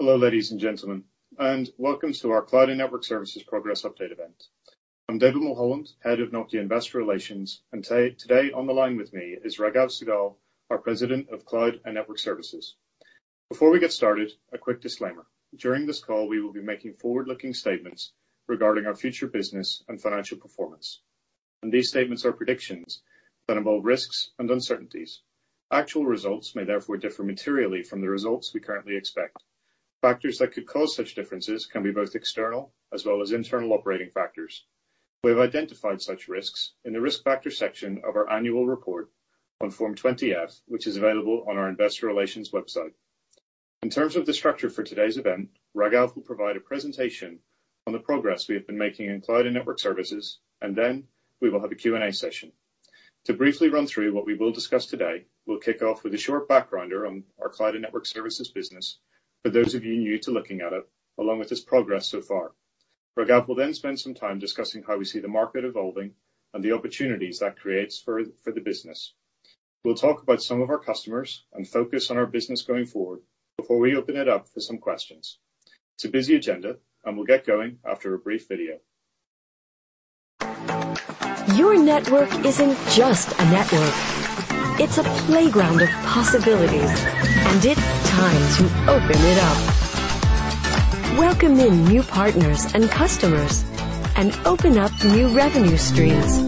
Hello, ladies and gentlemen, and welcome to our Cloud and Network Services Progress Update event. I'm David Mulholland, Head of Nokia Investor Relations, and today on the line with me is Raghav Sahgal, our President of Cloud and Network Services. Before we get started, a quick disclaimer: During this call, we will be making forward-looking statements regarding our future business and financial performance. These statements are predictions that involve risks and uncertainties. Actual results may therefore differ materially from the results we currently expect. Factors that could cause such differences can be both external as well as internal operating factors. We have identified such risks in the risk factor section of our annual report on Form 20-F, which is available on our investor relations website. In terms of the structure for today's event, Raghav will provide a presentation on the progress we have been making in Cloud and Network Services, and then we will have a Q&A session. To briefly run through what we will discuss today, we'll kick off with a short backgrounder on our Cloud and Network Services business for those of you new to looking at it, along with its progress so far. Raghav will then spend some time discussing how we see the market evolving and the opportunities that creates for the business. We'll talk about some of our customers and focus on our business going forward before we open it up for some questions. It's a busy agenda, and we'll get going after a brief video. Your network isn't just a network, it's a playground of possibilities, and it's time to open it up. Welcome in new partners and customers, and open up new revenue streams.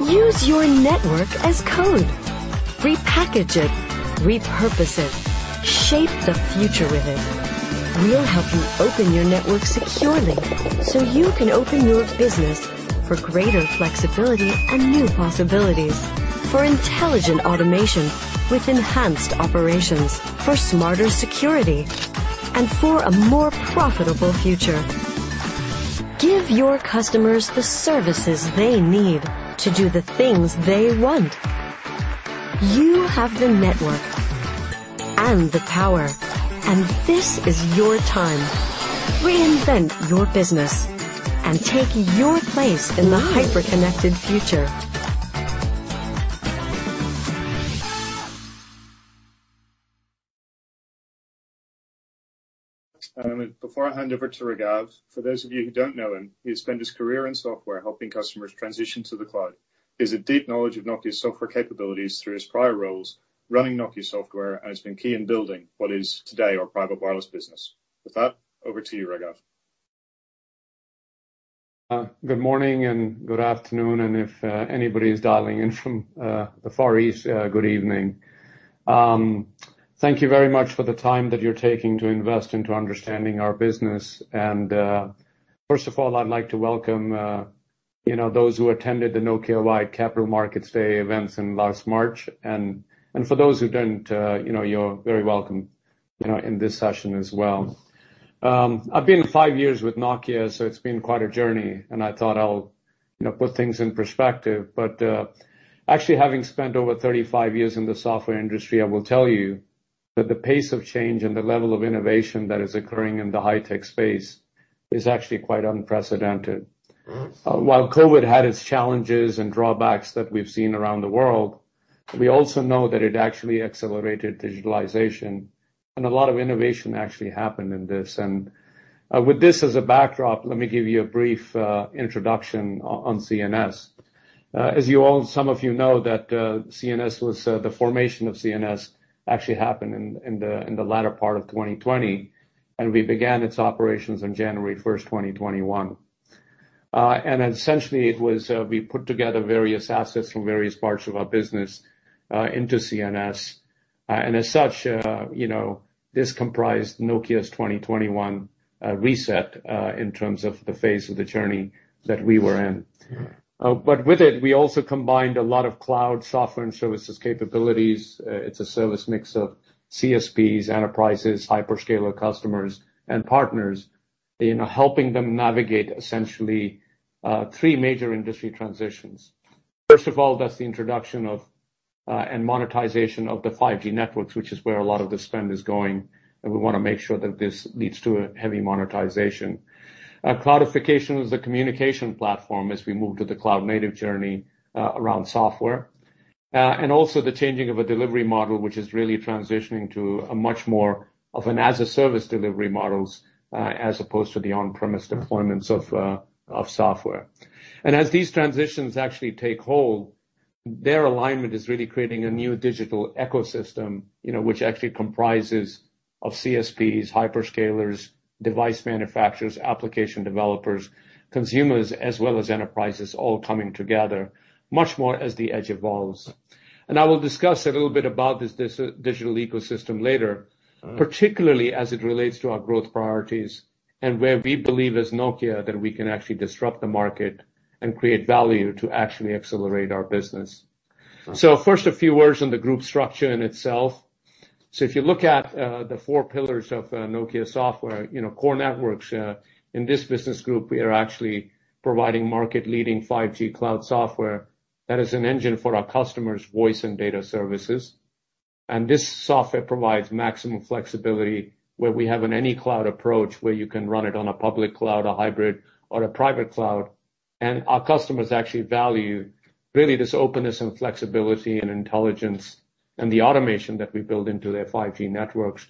Use your network as code. Repackage it, repurpose it, shape the future with it. We'll help you open your network securely so you can open your business for greater flexibility and new possibilities, for intelligent automation with enhanced operations, for smarter security, and for a more profitable future. Give your customers the services they need to do the things they want. You have the network and the power, and this is your time. Reinvent your business and take your place in the hyper-connected future. Before I hand over to Raghav, for those of you who don't know him, he has spent his career in software helping customers transition to the cloud. He has a deep knowledge of Nokia's software capabilities through his prior roles running Nokia Software, and has been key in building what is today our private wireless business. With that, over to you, Raghav. Good morning and good afternoon, and if anybody is dialing in from the Far East, good evening. Thank you very much for the time that you're taking to invest into understanding our business. First of all, I'd like to welcome you know those who attended the Nokia Live Capital Markets Day events in last March. For those who didn't, you know, you're very welcome, you know, in this session as well. I've been 5 years with Nokia, so it's been quite a journey and I thought I'll you know put things in perspective. Actually having spent over 35 years in the software industry, I will tell you that the pace of change and the level of innovation that is occurring in the high-tech space is actually quite unprecedented. While COVID had its challenges and drawbacks that we've seen around the world, we also know that it actually accelerated digitalization, and a lot of innovation actually happened in this. With this as a backdrop, let me give you a brief introduction on CNS. As you all, some of you know that CNS was the formation of CNS actually happened in the latter part of 2020, and we began its operations on January 1, 2021. Essentially it was we put together various assets from various parts of our business into CNS. As such, you know, this comprised Nokia's 2021 reset in terms of the phase of the journey that we were in. With it, we also combined a lot of cloud software and services capabilities. It's a service mix of CSPs, enterprises, hyperscaler customers and partners, you know, helping them navigate essentially three major industry transitions. First of all, that's the introduction of and monetization of the 5G networks, which is where a lot of the spend is going, and we wanna make sure that this leads to a heavy monetization. Cloudification of the communication platform as we move to the cloud-native journey around software. Also the changing of a delivery model, which is really transitioning to a much more of an as a service delivery models as opposed to the on-premise deployments of software. As these transitions actually take hold, their alignment is really creating a new digital ecosystem, you know, which actually comprises of CSPs, hyperscalers, device manufacturers, application developers, consumers, as well as enterprises all coming together much more as the edge evolves. I will discuss a little bit about this digital ecosystem later, particularly as it relates to our growth priorities and where we believe as Nokia that we can actually disrupt the market and create value to actually accelerate our business. First, a few words on the group structure in itself. If you look at the four pillars of Nokia Software, you know, core networks in this business group, we are actually providing market-leading 5G cloud software that is an engine for our customers' voice and data services. This software provides maximum flexibility where we have an any cloud approach, where you can run it on a public cloud, a hybrid or a private cloud. Our customers actually value really this openness and flexibility and intelligence and the automation that we build into their 5G networks.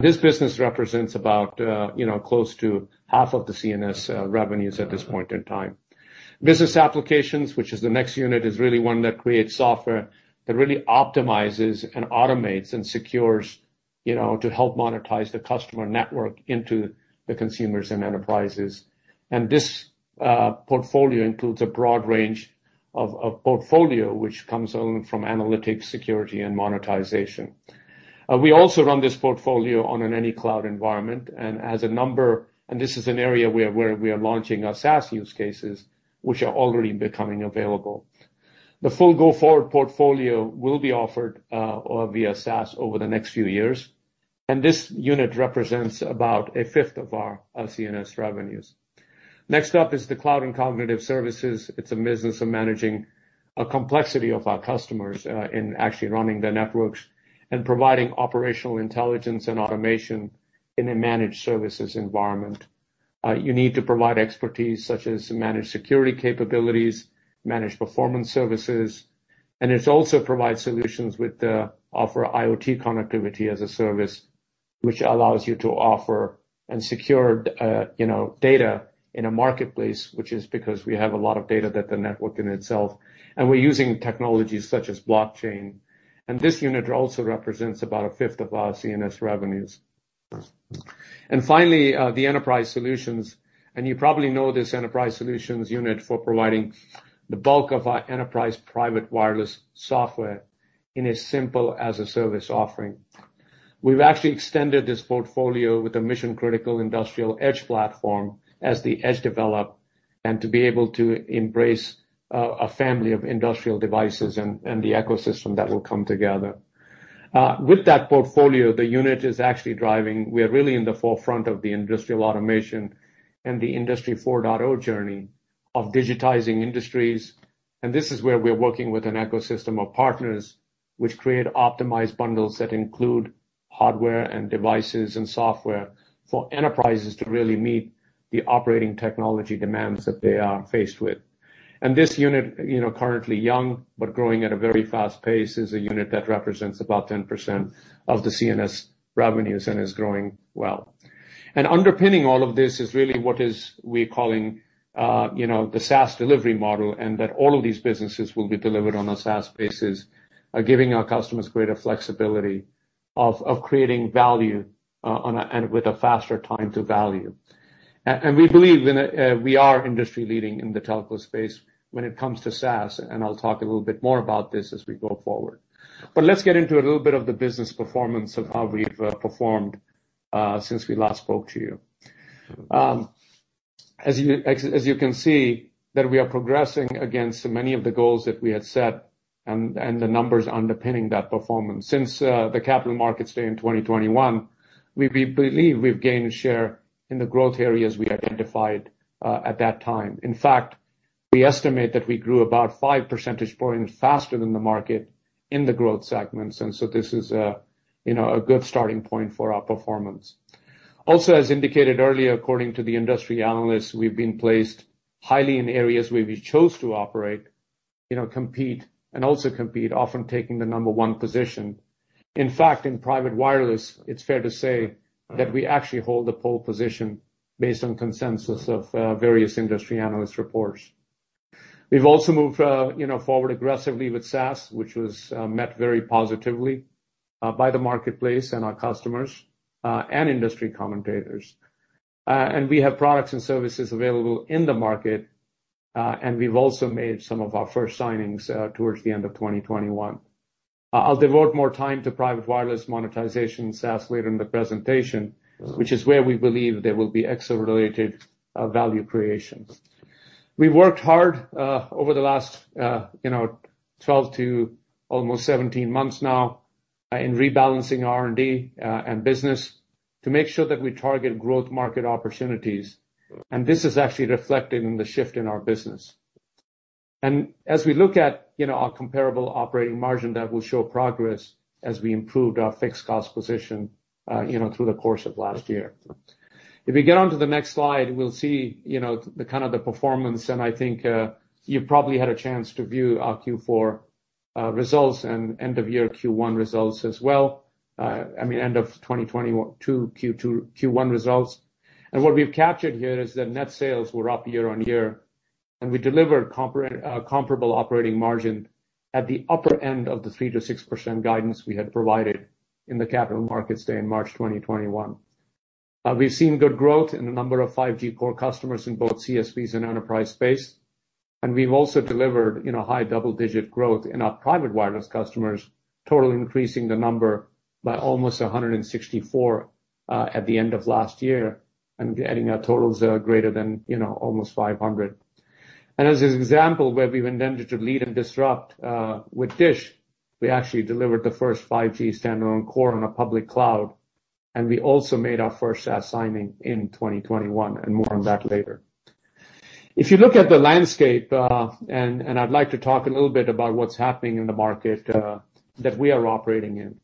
This business represents about, you know, close to half of the CNS revenues at this point in time. Business applications, which is the next unit, is really one that creates software that really optimizes and automates and secures, you know, to help monetize the customer network into the consumers and enterprises. This portfolio includes a broad range of portfolio, which comes only from analytics, security and monetization. We also run this portfolio on any cloud environment and as a number. This is an area where we are launching our SaaS use cases, which are already becoming available. The full go-forward portfolio will be offered via SaaS over the next few years, and this unit represents about a fifth of our CNS revenues. Next up is the cloud and cognitive services. It's a business of managing a complexity of our customers in actually running their networks and providing operational intelligence and automation in a managed services environment. You need to provide expertise such as managed security capabilities, managed performance services, and it also provides solutions with the offer IoT connectivity as a service, which allows you to offer and secure, you know, data in a marketplace, which is because we have a lot of data that the network in itself, and we're using technologies such as blockchain. Finally, the enterprise solutions, and you probably know this enterprise solutions unit for providing the bulk of our enterprise private wireless software in a simple as-a-service offering. We've actually extended this portfolio with a mission-critical industrial edge platform as the edge develops and to be able to embrace a family of industrial devices and the ecosystem that will come together. With that portfolio, the unit is actually driving. We are really in the forefront of the industrial automation and the Industry 4.0 journey of digitizing industries. This is where we're working with an ecosystem of partners which create optimized bundles that include hardware and devices and software for enterprises to really meet the operating technology demands that they are faced with. This unit, you know, currently young but growing at a very fast pace, is a unit that represents about 10% of the CNS revenues and is growing well. Underpinning all of this is really what we're calling, you know, the SaaS delivery model, and that all of these businesses will be delivered on a SaaS basis, giving our customers greater flexibility of creating value, and with a faster time to value. We believe in, we are industry leading in the telco space when it comes to SaaS. I'll talk a little bit more about this as we go forward. Let's get into a little bit of the business performance of how we've performed since we last spoke to you. As you can see, we are progressing against many of the goals that we had set and the numbers underpinning that performance. Since the Capital Markets Day in 2021, we believe we've gained share in the growth areas we identified at that time. In fact, we estimate that we grew about five percentage points faster than the market in the growth segments. This is, you know, a good starting point for our performance. Also, as indicated earlier, according to the industry analysts, we've been placed highly in areas where we chose to operate, you know, compete, often taking the number one position. In fact, in private wireless, it's fair to say that we actually hold the pole position based on consensus of various industry analyst reports. We've also moved, you know, forward aggressively with SaaS, which was met very positively by the marketplace and our customers and industry commentators. We have products and services available in the market, and we've also made some of our first signings towards the end of 2021. I'll devote more time to private wireless monetization SaaS later in the presentation, which is where we believe there will be extra related value creation. We've worked hard over the last, you know, 12 to almost 17 months now, in rebalancing R&D and business to make sure that we target growth market opportunities. This is actually reflected in the shift in our business. As we look at, you know, our comparable operating margin, that will show progress as we improved our fixed cost position, you know, through the course of last year. If you get onto the next slide, we'll see, you know, the kind of the performance, and I think, you've probably had a chance to view our Q4 results and end of year Q1 results as well. I mean end of 2021, Q2, Q1 results. What we've captured here is that net sales were up year-on-year and we delivered comparable operating margin at the upper end of the 3%-6% guidance we had provided in the Capital Markets Day in March 2021. We've seen good growth in the number of 5G core customers in both CSPs and enterprise space. We've also delivered, you know, high double-digit growth in our private wireless customers, total increasing the number by almost 164 at the end of last year and getting our totals greater than, you know, almost 500. As an example where we've intended to lead and disrupt with DISH, we actually delivered the first 5G standalone core on a public cloud, and we also made our first SaaS signing in 2021, and more on that later. If you look at the landscape, and I'd like to talk a little bit about what's happening in the market that we are operating in.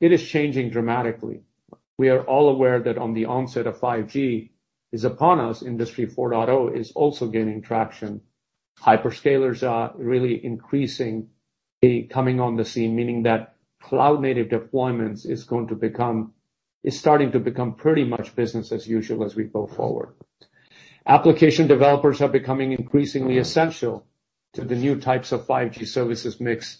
It is changing dramatically. We are all aware that on the onset of 5G is upon us, Industry 4.0 is also gaining traction. Hyperscalers are really increasing, coming on the scene, meaning that cloud-native deployments is starting to become pretty much business as usual as we go forward. Application developers are becoming increasingly essential to the new types of 5G services mix,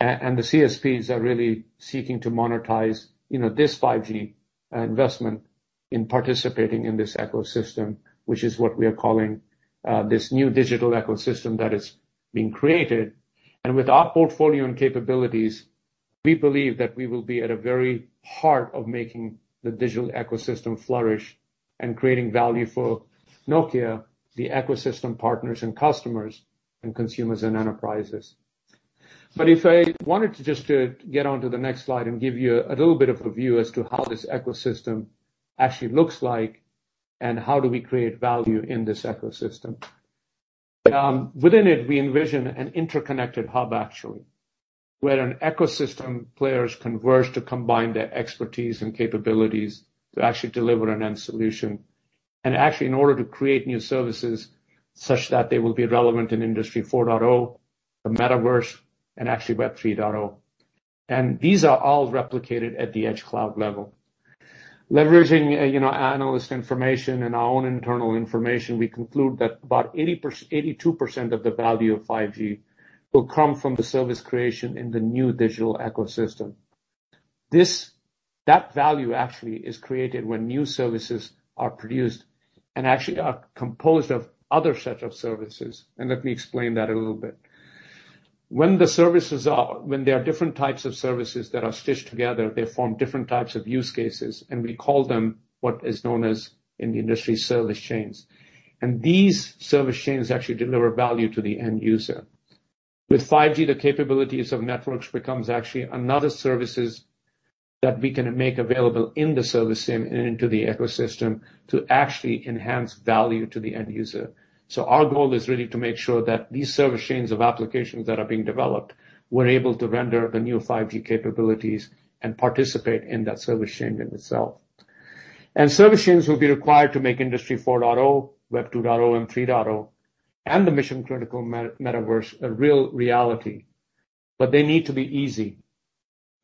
and the CSPs are really seeking to monetize, you know, this 5G investment in participating in this ecosystem, which is what we are calling this new digital ecosystem that is being created. With our portfolio and capabilities, we believe that we will be at the very heart of making the digital ecosystem flourish and creating value for Nokia, the ecosystem partners and customers and consumers and enterprises. If I wanted to just get on to the next slide and give you a little bit of a view as to how this ecosystem actually looks like and how do we create value in this ecosystem. Within it, we envision an interconnected hub actually, where ecosystem players converge to combine their expertise and capabilities to actually deliver an end solution. Actually in order to create new services such that they will be relevant in Industry 4.0, the Metaverse, and actually Web 3.0. These are all replicated at the edge cloud level. Leveraging, you know, analyst information and our own internal information, we conclude that about 82% of the value of 5G will come from the service creation in the new digital ecosystem. That value actually is created when new services are produced and actually are composed of other set of services, and let me explain that a little bit. When there are different types of services that are stitched together, they form different types of use cases, and we call them what is known as in the industry service chains. These service chains actually deliver value to the end user. With 5G, the capabilities of networks becomes actually another services that we can make available in the service and into the ecosystem to actually enhance value to the end user. Our goal is really to make sure that these service chains of applications that are being developed, we're able to render the new 5G capabilities and participate in that service chain in itself. Service chains will be required to make Industry 4.0, Web 2.0 and Web 3.0, and the mission-critical Metaverse a real reality. They need to be easy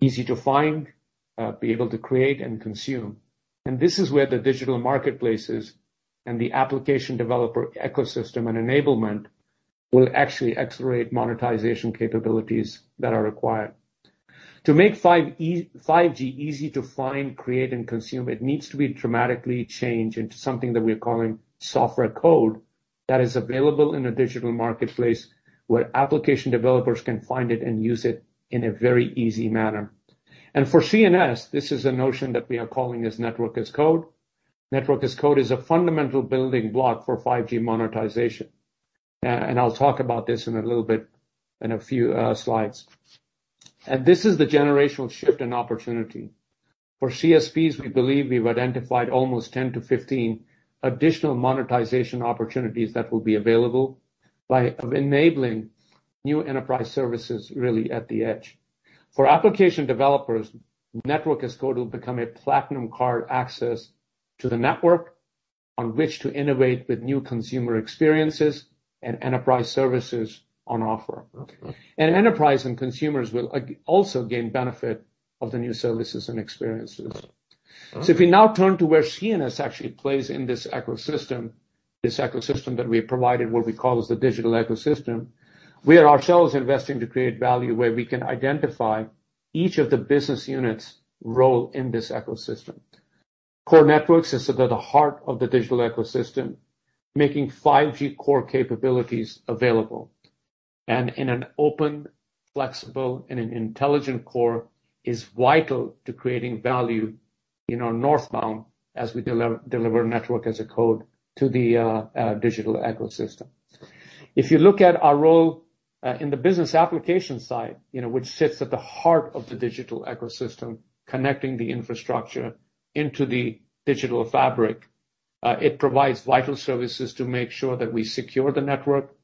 to find, be able to create and consume. This is where the digital marketplaces and the application developer ecosystem and enablement will actually accelerate monetization capabilities that are required. To make 5G easy to find, create, and consume, it needs to be dramatically changed into something that we're calling software code that is available in a digital marketplace, where application developers can find it and use it in a very easy manner. For CNS, this is a notion that we are calling as Network as Code. Network as Code is a fundamental building block for 5G monetization. I'll talk about this in a little bit in a few slides. This is the generational shift and opportunity. For CSPs, we believe we've identified almost 10-15 additional monetization opportunities that will be available by enabling new enterprise services really at the edge. For application developers, Network as Code will become a platinum card access to the network on which to innovate with new consumer experiences and enterprise services on offer. Enterprise and consumers will also gain benefit of the new services and experiences. If we now turn to where CNS actually plays in this ecosystem, this ecosystem that we have provided, what we call as the digital ecosystem, we are ourselves investing to create value where we can identify each of the business units' role in this ecosystem. Core networks is at the heart of the digital ecosystem, making 5G core capabilities available. In an open, flexible, and an intelligent core is vital to creating value in our northbound as we deliver Network as Code to the digital ecosystem. If you look at our role in the business application side, you know, which sits at the heart of the digital ecosystem, connecting the infrastructure into the digital fabric, it provides vital services to make sure that we secure the network,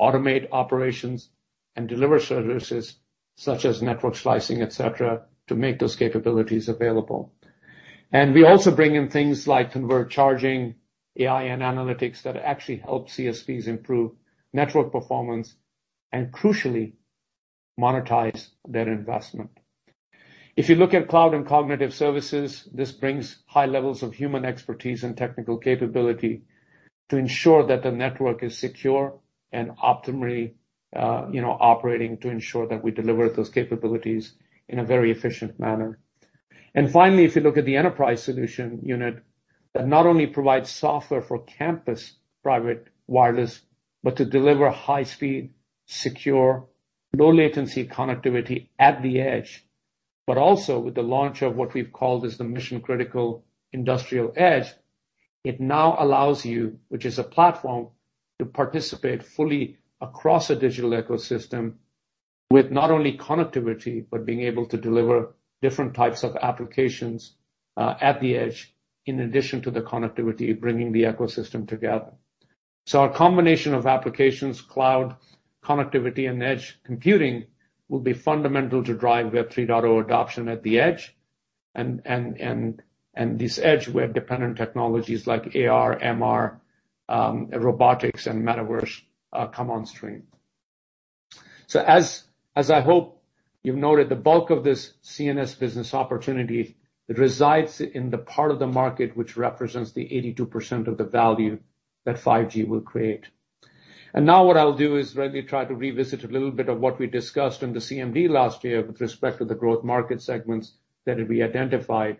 automate operations, and deliver services such as network slicing, et cetera, to make those capabilities available. We also bring in things like convergent charging, AI and analytics that actually help CSPs improve network performance and crucially monetize their investment. If you look at cloud and cognitive services, this brings high levels of human expertise and technical capability to ensure that the network is secure and optimally, you know, operating to ensure that we deliver those capabilities in a very efficient manner. Finally, if you look at the enterprise solution unit, that not only provides software for campus private wireless, but to deliver high speed, secure, low latency connectivity at the edge. Also with the launch of what we've called as the Mission Critical Industrial Edge, it now allows you, which is a platform, to participate fully across a digital ecosystem with not only connectivity, but being able to deliver different types of applications at the edge in addition to the connectivity, bringing the ecosystem together. Our combination of applications, cloud connectivity, and edge computing will be fundamental to drive Web 3.0 adoption at the edge and these edge web dependent technologies like AR, MR, robotics and Metaverse come on stream. As I hope you've noted, the bulk of this CNS business opportunity resides in the part of the market which represents the 82% of the value that 5G will create. Now what I'll do is really try to revisit a little bit of what we discussed in the CMD last year with respect to the growth market segments that we identified.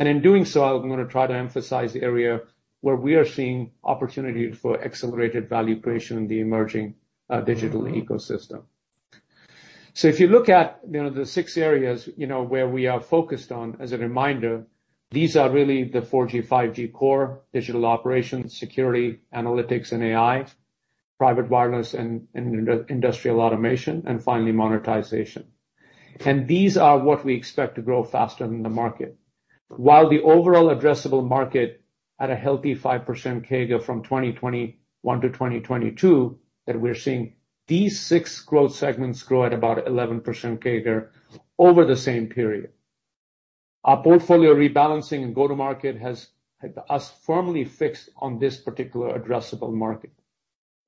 In doing so, I'm gonna try to emphasize the area where we are seeing opportunity for accelerated value creation in the emerging digital ecosystem. If you look at, you know, the six areas, you know, where we are focused on, as a reminder, these are really the 4G/5G core digital operations, security, analytics and AI, private wireless and industrial automation, and finally monetization. These are what we expect to grow faster than the market. While the overall addressable market at a healthy 5% CAGR from 2021 to 2022, that we're seeing these six growth segments grow at about 11% CAGR over the same period. Our portfolio rebalancing and go-to-market has had us firmly fixed on this particular addressable market.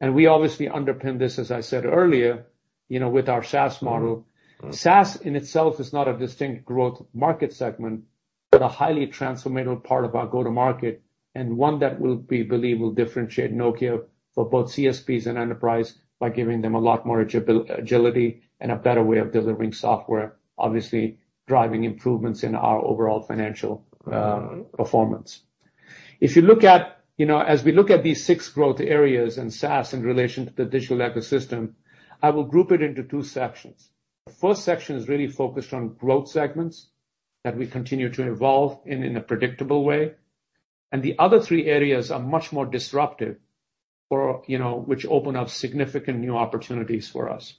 We obviously underpin this, as I said earlier, you know, with our SaaS model. SaaS in itself is not a distinct growth market segment, but a highly transformational part of our go-to-market and one that will be believed will differentiate Nokia for both CSPs and enterprise by giving them a lot more agility and a better way of delivering software, obviously driving improvements in our overall financial performance. If you look at, you know, as we look at these six growth areas and SaaS in relation to the digital ecosystem, I will group it into two sections. The first section is really focused on growth segments that we continue to evolve in a predictable way. The other three areas are much more disruptive for, you know, which open up significant new opportunities for us.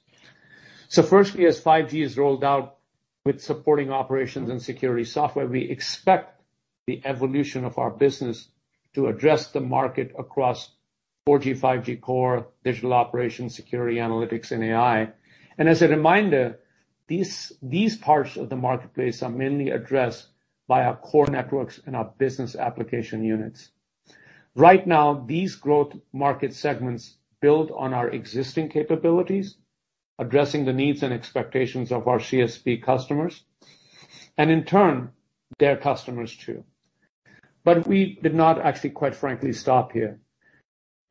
Firstly, as 5G is rolled out with supporting operations and security software, we expect the evolution of our business to address the market across 4G/5G core digital operations, security, analytics, and AI. As a reminder, these parts of the marketplace are mainly addressed by our core networks and our business application units. Right now, these growth market segments build on our existing capabilities, addressing the needs and expectations of our CSP customers, and in turn, their customers too. We did not actually, quite frankly, stop here.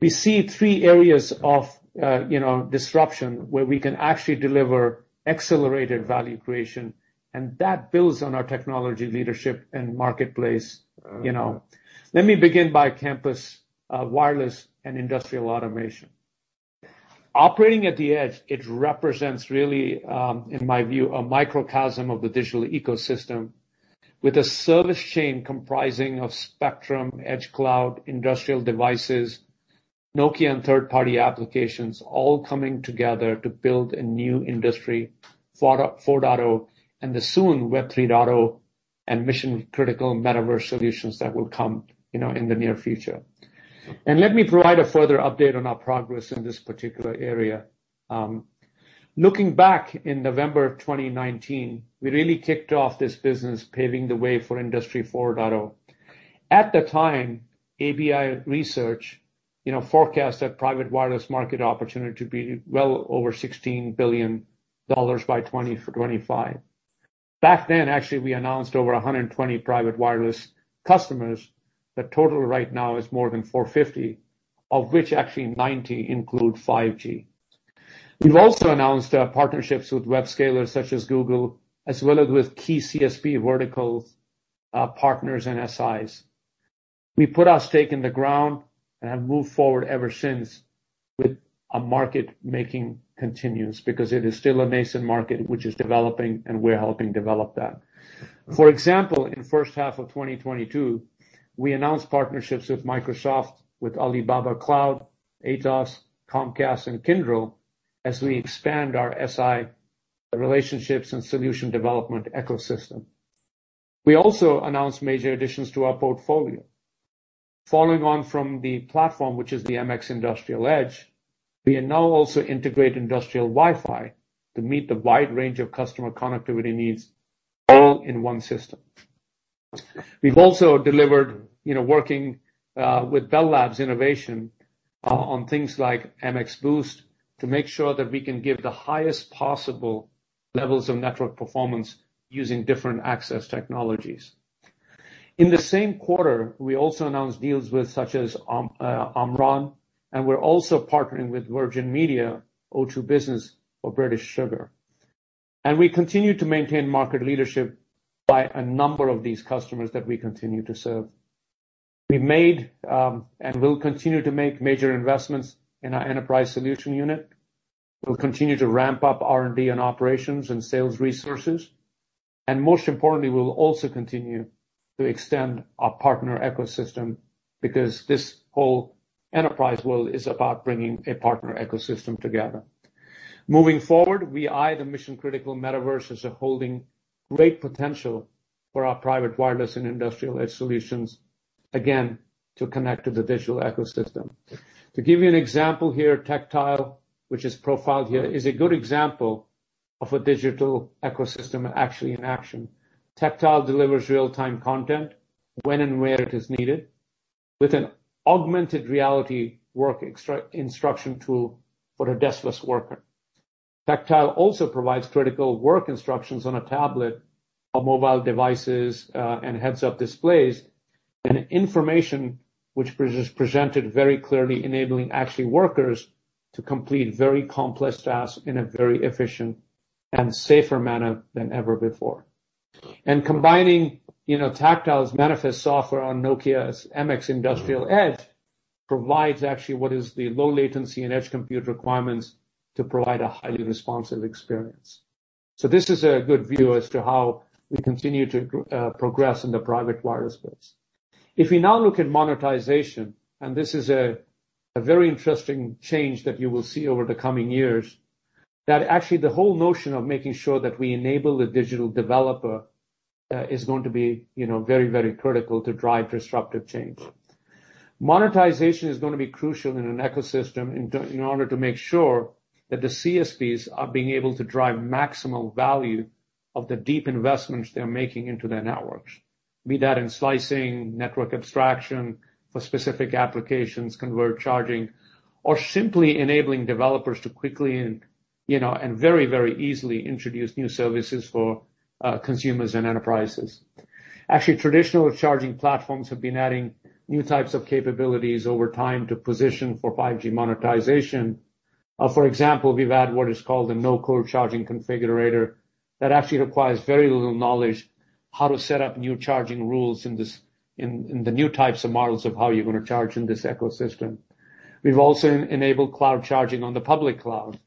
We see three areas of, you know, disruption where we can actually deliver accelerated value creation, and that builds on our technology leadership and marketplace, you know. Let me begin by campus wireless and industrial automation. Operating at the edge, it represents really, in my view, a microcosm of the digital ecosystem with a service chain comprising of spectrum, edge cloud, industrial devices, Nokia and third-party applications all coming together to build a new Industry 4.0, and the soon Web 3.0 and mission-critical Metaverse solutions that will come, you know, in the near future. Let me provide a further update on our progress in this particular area. Looking back in November of 2019, we really kicked off this business, paving the way for Industry 4.0. At the time, ABI Research, you know, forecast that private wireless market opportunity to be well over $16 billion by 2025. Back then, actually, we announced over 120 private wireless customers. The total right now is more than 450, of which actually 90 include 5G. We've also announced partnerships with hyperscalers such as Google, as well as with key CSP vertical partners and SIs. We put our stake in the ground and have moved forward ever since with a market making continuance because it is still a nascent market which is developing, and we're helping develop that. For example, in first half of 2022, we announced partnerships with Microsoft, with Alibaba Cloud, Atos, Comcast and Kyndryl as we expand our SI relationships and solution development ecosystem. We also announced major additions to our portfolio. Following on from the platform, which is the MX Industrial Edge, we now also integrate industrial Wi-Fi to meet the wide range of customer connectivity needs all in one system. We've also delivered, you know, working with Bell Labs innovation on things like MX Boost to make sure that we can give the highest possible levels of network performance using different access technologies. In the same quarter, we also announced deals with such as Omron, and we're also partnering with Virgin Media, O2 Business or British Sugar. We continue to maintain market leadership by a number of these customers that we continue to serve. We've made and will continue to make major investments in our enterprise solution unit. We'll continue to ramp up R&D and operations and sales resources. Most importantly, we'll also continue to extend our partner ecosystem because this whole enterprise world is about bringing a partner ecosystem together. Moving forward, we eye the mission-critical Metaverse as holding great potential for our private wireless and industrial edge solutions, again, to connect to the digital ecosystem. To give you an example here, Taqtile, which is profiled here, is a good example of a digital ecosystem actually in action. Taqtile delivers real-time content when and where it is needed with an augmented reality work instruction tool for a deskless worker. Taqtile also provides critical work instructions on a tablet or mobile devices, and heads-up displays, and information which presented very clearly enabling actually workers to complete very complex tasks in a very efficient and safer manner than ever before. Combining, you know, Taqtile's Manifest software on Nokia's MX Industrial Edge provides actually what is the low latency and edge compute requirements to provide a highly responsive experience. This is a good view as to how we continue to progress in the private wireless space. If we now look at monetization, and this is a very interesting change that you will see over the coming years, that actually the whole notion of making sure that we enable the digital developer is going to be, you know, very, very critical to drive disruptive change. Monetization is gonna be crucial in an ecosystem in order to make sure that the CSPs are being able to drive maximal value of the deep investments they're making into their networks. Be that in slicing, network abstraction for specific applications, convergent charging, or simply enabling developers to quickly and, you know, very easily introduce new services for consumers and enterprises. Actually, traditional charging platforms have been adding new types of capabilities over time to position for 5G monetization. For example, we've had what is called a no-code charging configurator that actually requires very little knowledge how to set up new charging rules in the new types of models of how you're gonna charge in this ecosystem. We've also enabled cloud charging on the public cloud,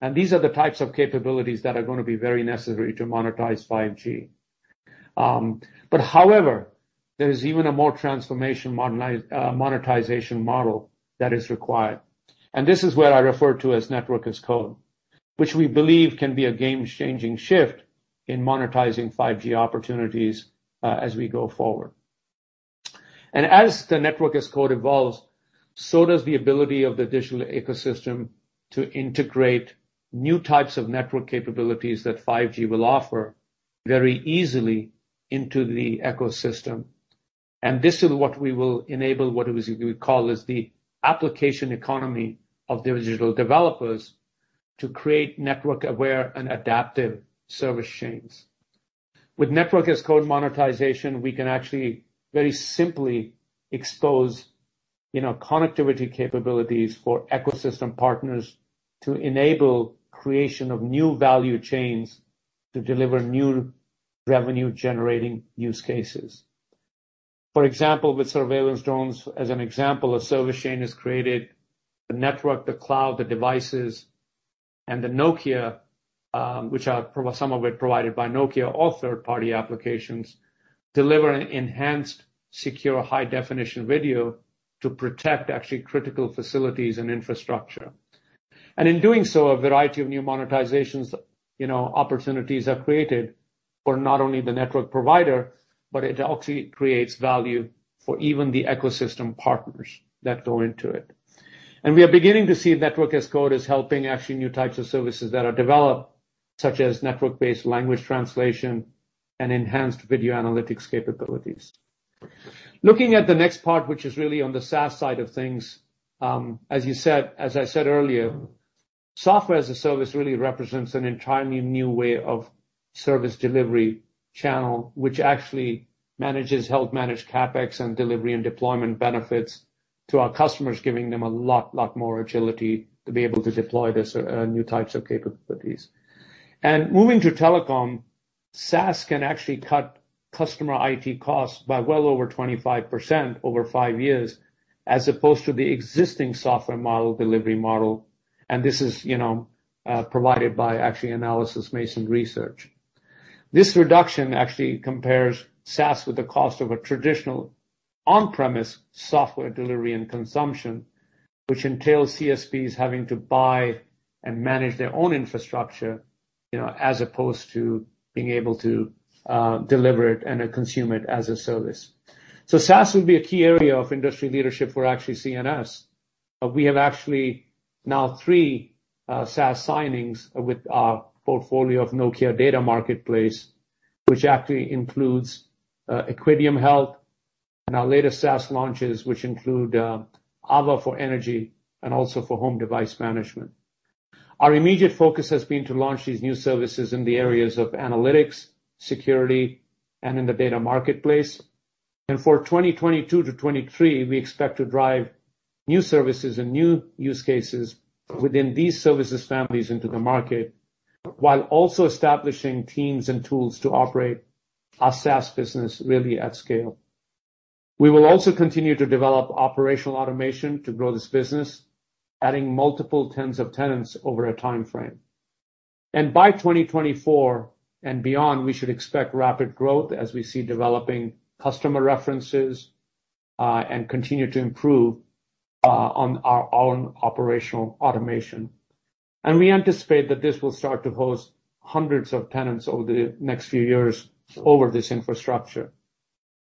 and these are the types of capabilities that are gonna be very necessary to monetize 5G. However, there is even a more transformational monetization model that is required. This is what I refer to as Network as Code, which we believe can be a game-changing shift in monetizing 5G opportunities, as we go forward. As the Network as Code evolves, so does the ability of the digital ecosystem to integrate new types of network capabilities that 5G will offer very easily into the ecosystem. This is what we will enable, we call as the application economy of the digital developers to create network-aware and adaptive service chains. With Network as Code monetization, we can actually very simply expose, you know, connectivity capabilities for ecosystem partners to enable creation of new value chains to deliver new revenue-generating use cases. For example, with surveillance drones, as an example, a service chain is created, the network, the cloud, the devices, and the Nokia, which are some of it provided by Nokia or third-party applications, deliver enhanced, secure, high-definition video to protect actually critical facilities and infrastructure. In doing so, a variety of new monetizations, you know, opportunities are created for not only the network provider, but it actually creates value for even the ecosystem partners that go into it. We are beginning to see Network as Code is helping actually new types of services that are developed, such as network-based language translation and enhanced video analytics capabilities. Looking at the next part, which is really on the SaaS side of things, as I said earlier, software-as-a-service really represents an entirely new way of service delivery channel, which actually manages, help manage CapEx and delivery and deployment benefits to our customers, giving them a lot more agility to be able to deploy this, new types of capabilities. Moving to telecom, SaaS can actually cut customer IT costs by well over 25% over five years, as opposed to the existing software model, delivery model, and this is, you know, provided by actually Analysys Mason Research. This reduction actually compares SaaS with the cost of a traditional on-premise software delivery and consumption, which entails CSPs having to buy and manage their own infrastructure, you know, as opposed to being able to, deliver it and consume it as a service. SaaS will be a key area of industry leadership for actually CNS. We have actually now three SaaS signings with our portfolio of Nokia Data Marketplace, which actually includes Equideum Health and our latest SaaS launches, which include AVA for Energy and also for home device management. Our immediate focus has been to launch these new services in the areas of analytics, security, and in the data marketplace. For 2022-2023, we expect to drive new services and new use cases within these services families into the market, while also establishing teams and tools to operate our SaaS business really at scale. We will also continue to develop operational automation to grow this business, adding multiple tens of tenants over a time frame. By 2024 and beyond, we should expect rapid growth as we see developing customer references, and continue to improve on our own operational automation. We anticipate that this will start to host hundreds of tenants over the next few years over this infrastructure.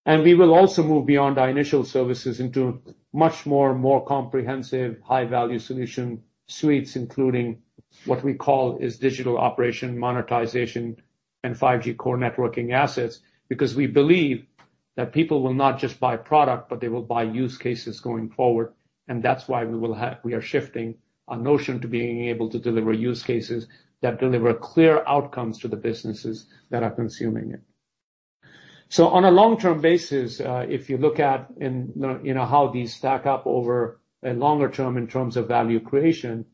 We will also move beyond our initial services into much more comprehensive high-value solution suites, including what we call digital operation monetization and 5G core networking assets. Because we believe that people will not just buy product, but they will buy use cases going forward. That's why we are shifting our notion to being able to deliver use cases that deliver clear outcomes to the businesses that are consuming it. On a long-term basis, if you look at, you know, how these stack up over a longer term in terms of value creation,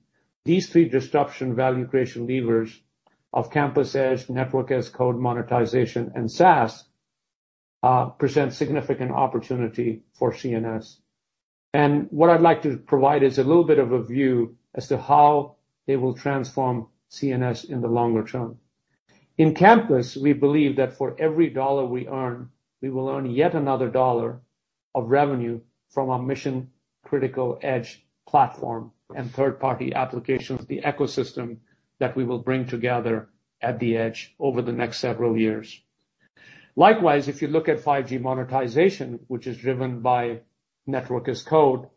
these three disruptive value creation levers of campus edge, Network as Code monetization, and SaaS present significant opportunity for CNS. What I'd like to provide is a little bit of a view as to how they will transform CNS in the longer term. In campus, we believe that for every dollar we earn, we will earn yet another dollar of revenue from our mission-critical edge platform and third-party applications, the ecosystem that we will bring together at the edge over the next several years. Likewise, if you look at 5G monetization, which is driven by Network as Code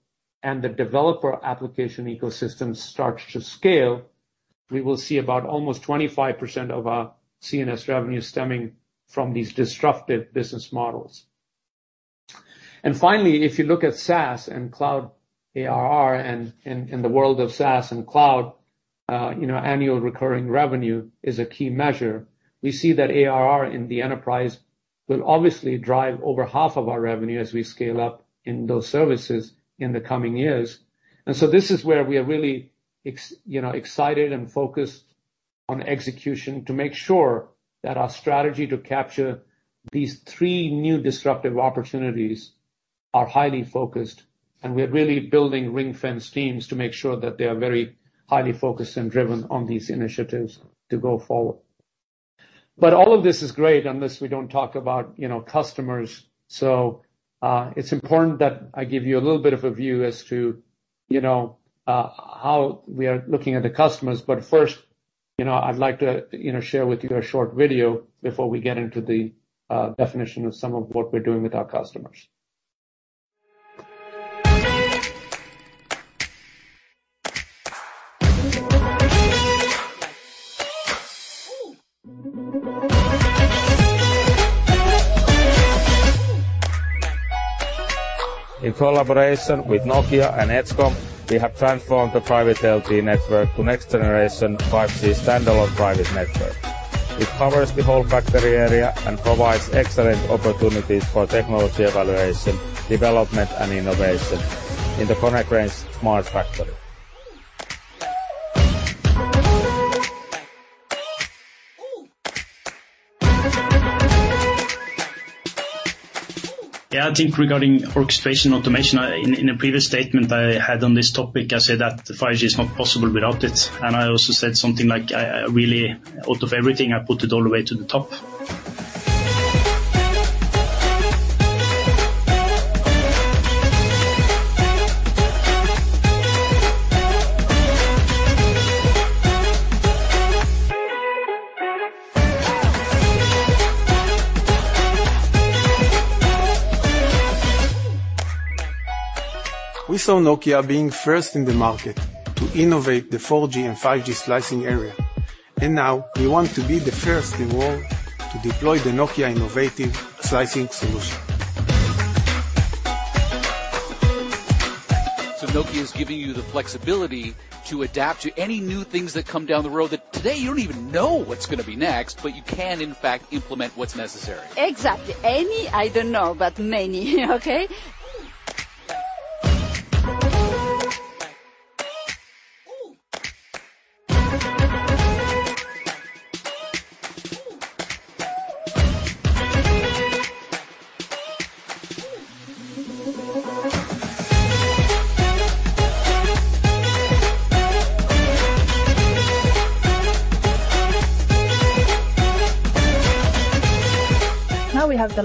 and the developer application ecosystem starts to scale, we will see about almost 25% of our CNS revenue stemming from these disruptive business models. Finally, if you look at SaaS and cloud ARR, and in the world of SaaS and cloud, you know, annual recurring revenue is a key measure. We see that ARR in the enterprise will obviously drive over half of our revenue as we scale up in those services in the coming years. This is where we are really you know, excited and focused on execution to make sure that our strategy to capture these three new disruptive opportunities are highly focused. We're really building ring-fence teams to make sure that they are very highly focused and driven on these initiatives to go forward. All of this is great unless we don't talk about customers. It's important that I give you a little bit of a view as to how we are looking at the customers. First, I'd like to share with you a short video before we get into the definition of some of what we're doing with our customers. In collaboration with Nokia and Edgecom, we have transformed the private LTE network to next generation 5G standalone private network. It covers the whole factory area and provides excellent opportunities for technology evaluation, development, and innovation in the Konecranes Smart Factory. I think regarding orchestration automation, in a previous statement I had on this topic, I said that 5G is not possible without it. I also said something like I really out of everything, I put it all the way to the top. We saw Nokia being first in the market to innovate the 4G and 5G slicing area. Now we want to be the first in the world to deploy the Nokia innovative slicing solution. Nokia is giving you the flexibility to adapt to any new things that come down the road that today you don't even know what's gonna be next, but you can in fact implement what's necessary. Exactly. Any, I don't know, but many.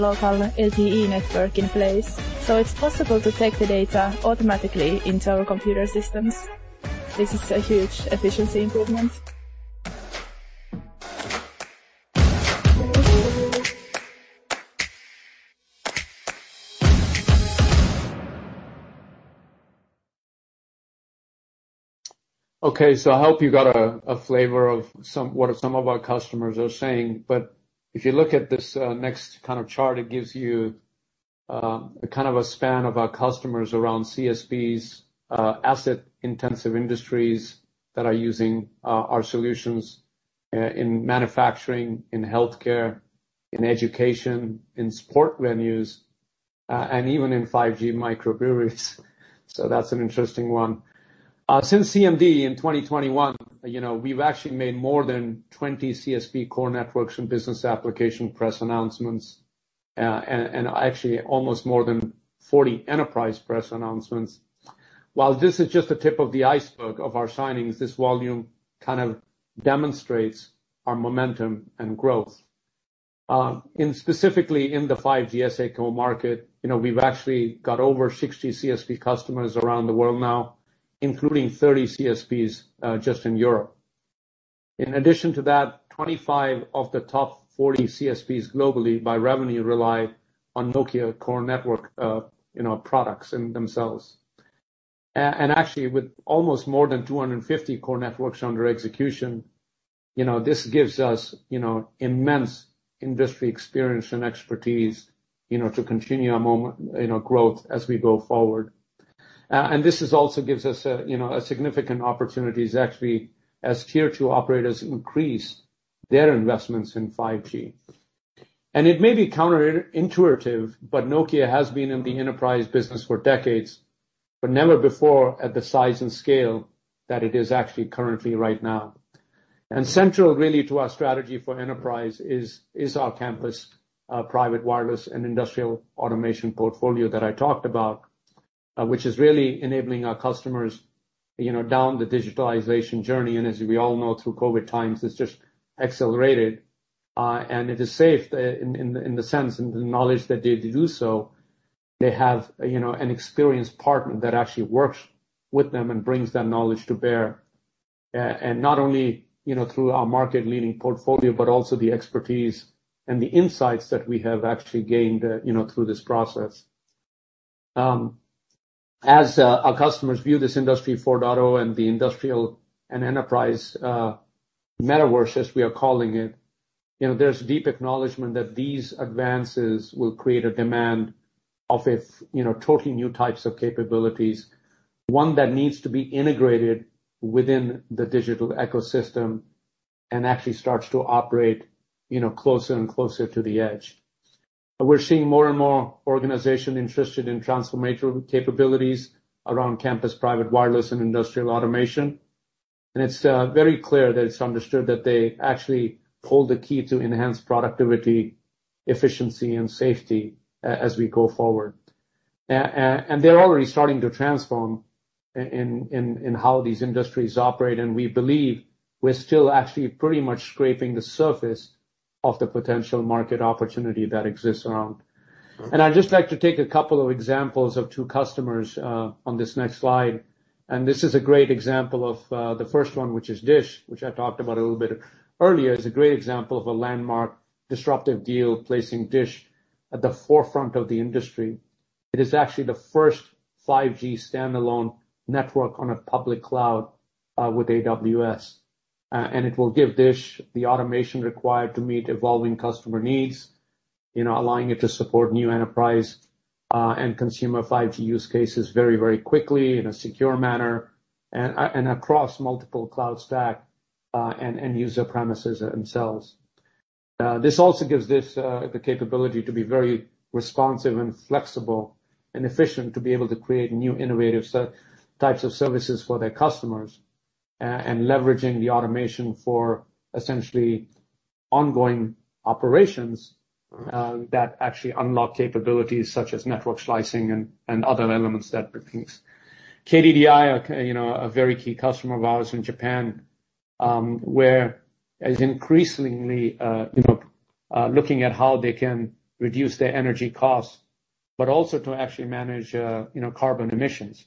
Okay. Now we have the local LTE network in place, so it's possible to take the data automatically into our computer systems. This is a huge efficiency improvement. Okay. I hope you got a flavor of some what some of our customers are saying. If you look at this next kind of chart, it gives you a kind of span of our customers around CSPs, asset-intensive industries that are using our solutions in manufacturing, in healthcare, in education, in sport venues, and even in 5G microbreweries. That's an interesting one. Since CMD in 2021, you know, we've actually made more than 20 CSP core networks and business application press announcements, and actually almost more than 40 enterprise press announcements. While this is just the tip of the iceberg of our signings, this volume kind of demonstrates our momentum and growth. In specifically in the 5G SA core market, you know, we've actually got over 60 CSP customers around the world now, including 30 CSPs just in Europe. In addition to that, 25 of the top 40 CSPs globally by revenue rely on Nokia core network, you know, products in themselves. And actually with almost more than 250 core networks under execution, you know, this gives us, you know, immense industry experience and expertise, you know, to continue our you know, growth as we go forward. This is also gives us a, you know, a significant opportunities actually as tier two operators increase their investments in 5G. It may be counterintuitive, but Nokia has been in the enterprise business for decades, but never before at the size and scale that it is actually currently right now. Central really to our strategy for enterprise is our campus, private wireless and industrial automation portfolio that I talked about, which is really enabling our customers, you know, down the digitalization journey. As we all know, through COVID times, it's just accelerated, and it is safe in the sense and the knowledge that they do so. They have, you know, an experienced partner that actually works with them and brings that knowledge to bear. And not only, you know, through our market-leading portfolio, but also the expertise and the insights that we have actually gained, you know, through this process. As our customers view this Industry 4.0 data and the industrial and enterprise Metaverse, as we are calling it, you know, there's deep acknowledgement that these advances will create a demand of a, you know, totally new types of capabilities, one that needs to be integrated within the digital ecosystem and actually starts to operate, you know, closer and closer to the edge. We're seeing more and more organizations interested in transformative capabilities around campus private wireless and industrial automation. It's very clear that it's understood that they actually hold the key to enhanced productivity, efficiency, and safety as we go forward. They're already starting to transform in how these industries operate, and we believe we're still actually pretty much scratching the surface of the potential market opportunity that exists around. I'd just like to take a couple of examples of two customers on this next slide. This is a great example of the first one, which is DISH, which I talked about a little bit earlier, is a great example of a landmark disruptive deal, placing DISH at the forefront of the industry. It is actually the first 5G standalone network on a public cloud with AWS. It will give DISH the automation required to meet evolving customer needs, you know, allowing it to support new enterprise and consumer 5G use cases very, very quickly in a secure manner and across multiple cloud stack and user premises themselves. This also gives it the capability to be very responsive and flexible and efficient to be able to create new innovative types of services for their customers, and leveraging the automation for essentially ongoing operations that actually unlock capabilities such as network slicing and other elements that it brings. KDDI are you know a very key customer of ours in Japan, which is increasingly you know looking at how they can reduce their energy costs, but also to actually manage you know carbon emissions.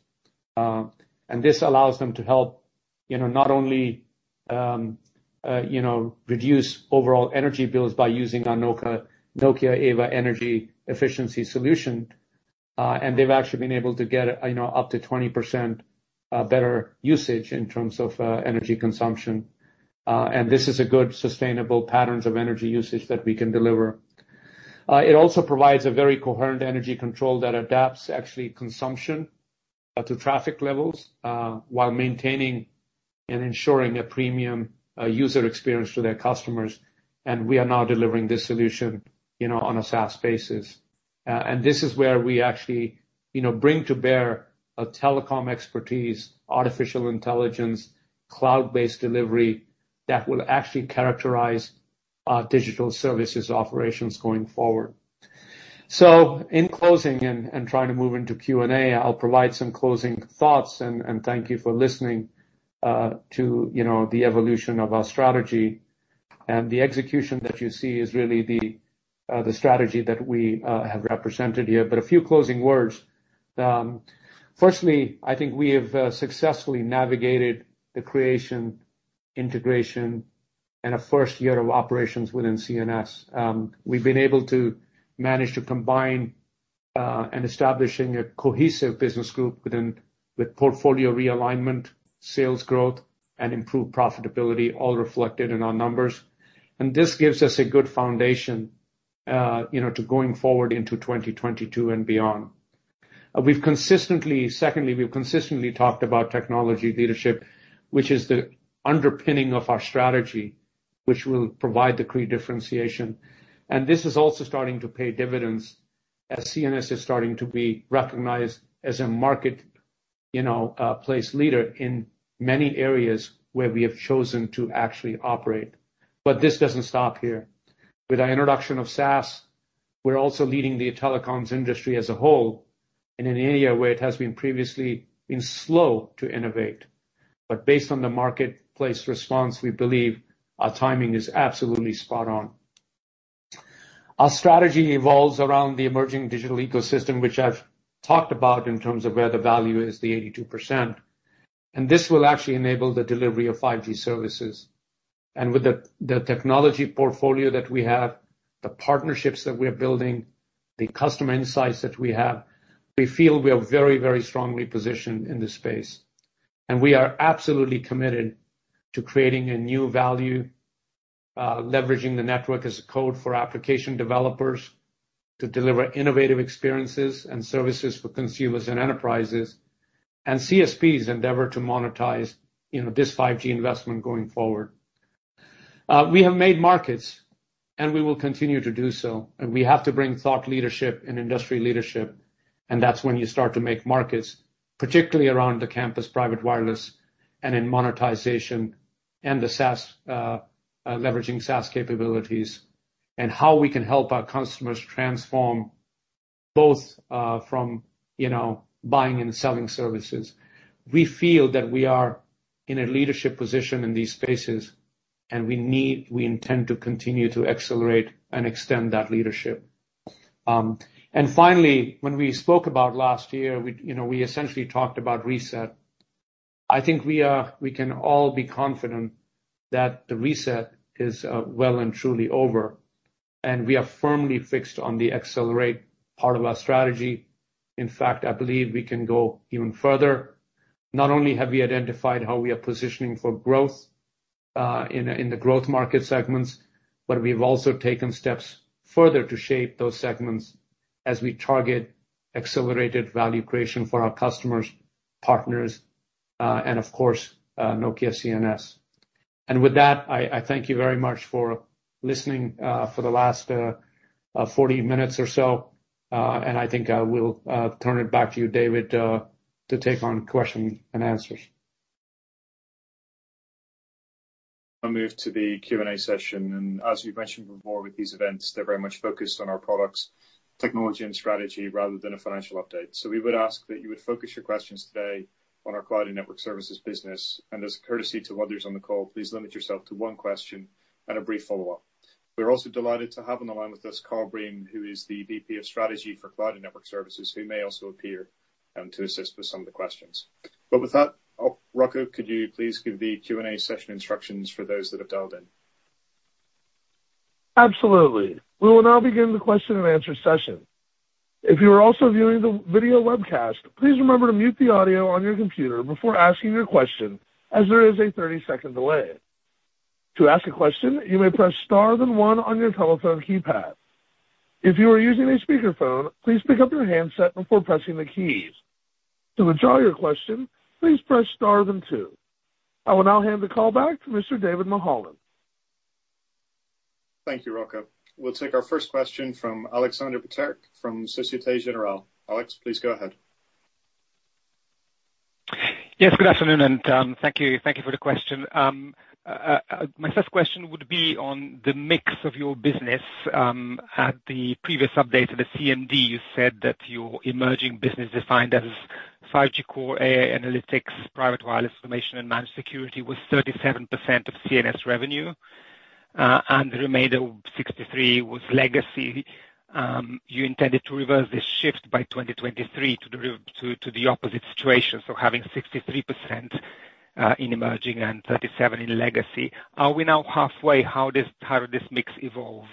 This allows them to help you know not only you know reduce overall energy bills by using our Nokia AVA for Energy, and they've actually been able to get you know up to 20% better usage in terms of energy consumption. This is a good sustainable patterns of energy usage that we can deliver. It also provides a very coherent energy control that adapts actual consumption to traffic levels while maintaining and ensuring a premium user experience to their customers. We are now delivering this solution, you know, on a SaaS basis. This is where we actually, you know, bring to bear a telecom expertise, artificial intelligence, cloud-based delivery that will actually characterize our digital services operations going forward. In closing and trying to move into Q&A, I'll provide some closing thoughts, and thank you for listening to, you know, the evolution of our strategy. The execution that you see is really the strategy that we have represented here. A few closing words. Firstly, I think we have successfully navigated the creation, integration, and a first year of operations within CNS. We've been able to manage to combine and establishing a cohesive business group within the portfolio realignment, sales growth, and improved profitability, all reflected in our numbers. This gives us a good foundation, you know, to going forward into 2022 and beyond. Secondly, we've consistently talked about technology leadership, which is the underpinning of our strategy, which will provide the key differentiation. This is also starting to pay dividends as CNS is starting to be recognized as a marketplace leader in many areas where we have chosen to actually operate. This doesn't stop here. With our introduction of SaaS, we're also leading the telecom industry as a whole and in an area where it has previously been slow to innovate. Based on the marketplace response, we believe our timing is absolutely spot on. Our strategy evolves around the emerging digital ecosystem, which I've talked about in terms of where the value is the 82%, and this will actually enable the delivery of 5G services. With the technology portfolio that we have, the partnerships that we are building, the customer insights that we have, we feel we are very, very strongly positioned in this space. We are absolutely committed to creating a new value, leveraging the Network as Code for application developers to deliver innovative experiences and services for consumers and enterprises, and CSPs endeavor to monetize, you know, this 5G investment going forward. We have made markets, and we will continue to do so, and we have to bring thought leadership and industry leadership, and that's when you start to make markets, particularly around the campus private wireless and in monetization and the SaaS, leveraging SaaS capabilities and how we can help our customers transform both, from, you know, buying and selling services. We feel that we are in a leadership position in these spaces, and we intend to continue to accelerate and extend that leadership. Finally, when we spoke about last year, we, you know, we essentially talked about reset. I think we can all be confident that the reset is, well and truly over, and we are firmly fixed on the accelerate part of our strategy. In fact, I believe we can go even further. Not only have we identified how we are positioning for growth in the growth market segments, but we've also taken steps further to shape those segments as we target accelerated value creation for our customers, partners, and of course, Nokia CNS. With that, I thank you very much for listening for the last 40 minutes or so, and I think I will turn it back to you, David, to take on question and answers. I'll move to the Q&A session. As we've mentioned before with these events, they're very much focused on our products, technology, and strategy rather than a financial update. We would ask that you would focus your questions today on our Cloud and Network Services business. As a courtesy to others on the call, please limit yourself to one question and a brief follow-up. We're also delighted to have on the line with us Carl Breen, who is the VP of Strategy for Cloud and Network Services, who may also appear to assist with some of the questions. With that, Rocco, could you please give the Q&A session instructions for those that have dialed in? Absolutely. We will now begin the question and answer session. If you are also viewing the video webcast, please remember to mute the audio on your computer before asking your question as there is a 30-second delay. To ask a question, you may press star then one on your telephone keypad. If you are using a speakerphone, please pick up your handset before pressing the keys. To withdraw your question, please press star then two. I will now hand the call back to Mr. David Mulholland. Thank you, Rocco. We'll take our first question from Aleksander Peterc from Société Générale. Alex, please go ahead. Yes, good afternoon, thank you for the question. My first question would be on the mix of your business. At the previous update of the CMD, you said that your emerging business, defined as 5G core, AI analytics, private wireless, automation, and managed security, was 37% of CNS revenue, and the remainder of 63% was legacy. You intended to reverse this shift by 2023 to the opposite situation, so having 63% in emerging and 37% in legacy. Are we now halfway? How did this mix evolve?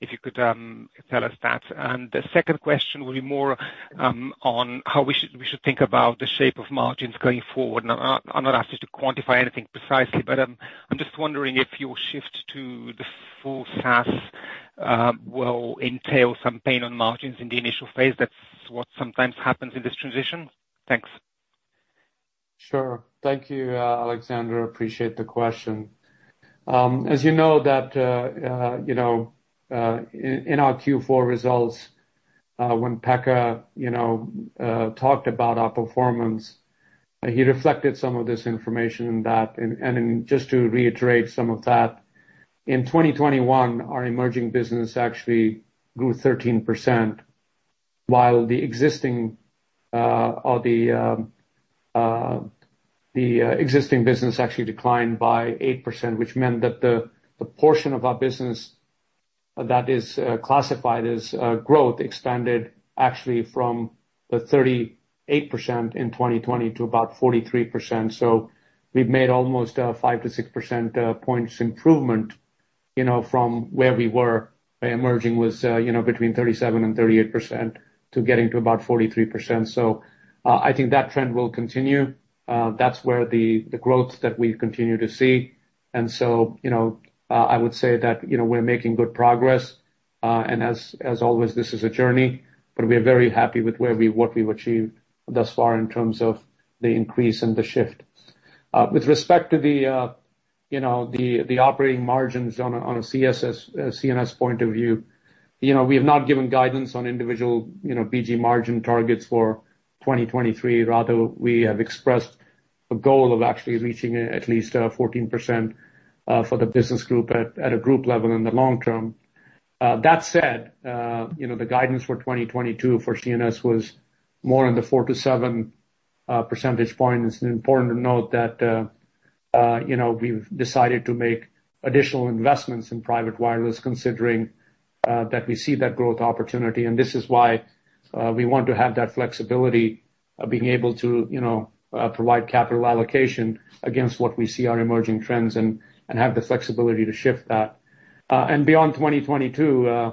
If you could tell us that. The second question will be more on how we should think about the shape of margins going forward. I'm not asking to quantify anything precisely, but I'm just wondering if your shift to the full SaaS will entail some pain on margins in the initial phase. That's what sometimes happens in this transition. Thanks. Sure. Thank you, Aleksander. Appreciate the question. As you know that, you know, in our Q4 results, when Pekka, you know, talked about our performance, he reflected some of this information in that. Just to reiterate some of that, in 2021, our emerging business actually grew 13%, while the existing business actually declined by 8%, which meant that the portion of our business that is classified as growth expanded actually from the 38% in 2020 to about 43%. We've made almost a five to six percentage points improvement, you know, from where we were. Emerging was, you know, between 37% and 38% to getting to about 43%. I think that trend will continue. That's where the growth that we continue to see. You know, I would say that, you know, we're making good progress. As always, this is a journey, but we are very happy with what we've achieved thus far in terms of the increase and the shift. With respect to the operating margins on a CNS point of view, you know, we have not given guidance on individual BG margin targets for 2023. Rather, we have expressed a goal of actually reaching at least 14% for the business group at a group level in the long term. That said, you know, the guidance for 2022 for CNS was more in the four to seven percentage points. Important to note that, you know, we've decided to make additional investments in private wireless considering that we see that growth opportunity. This is why we want to have that flexibility of being able to, you know, provide capital allocation against what we see are emerging trends and have the flexibility to shift that. Beyond 2022,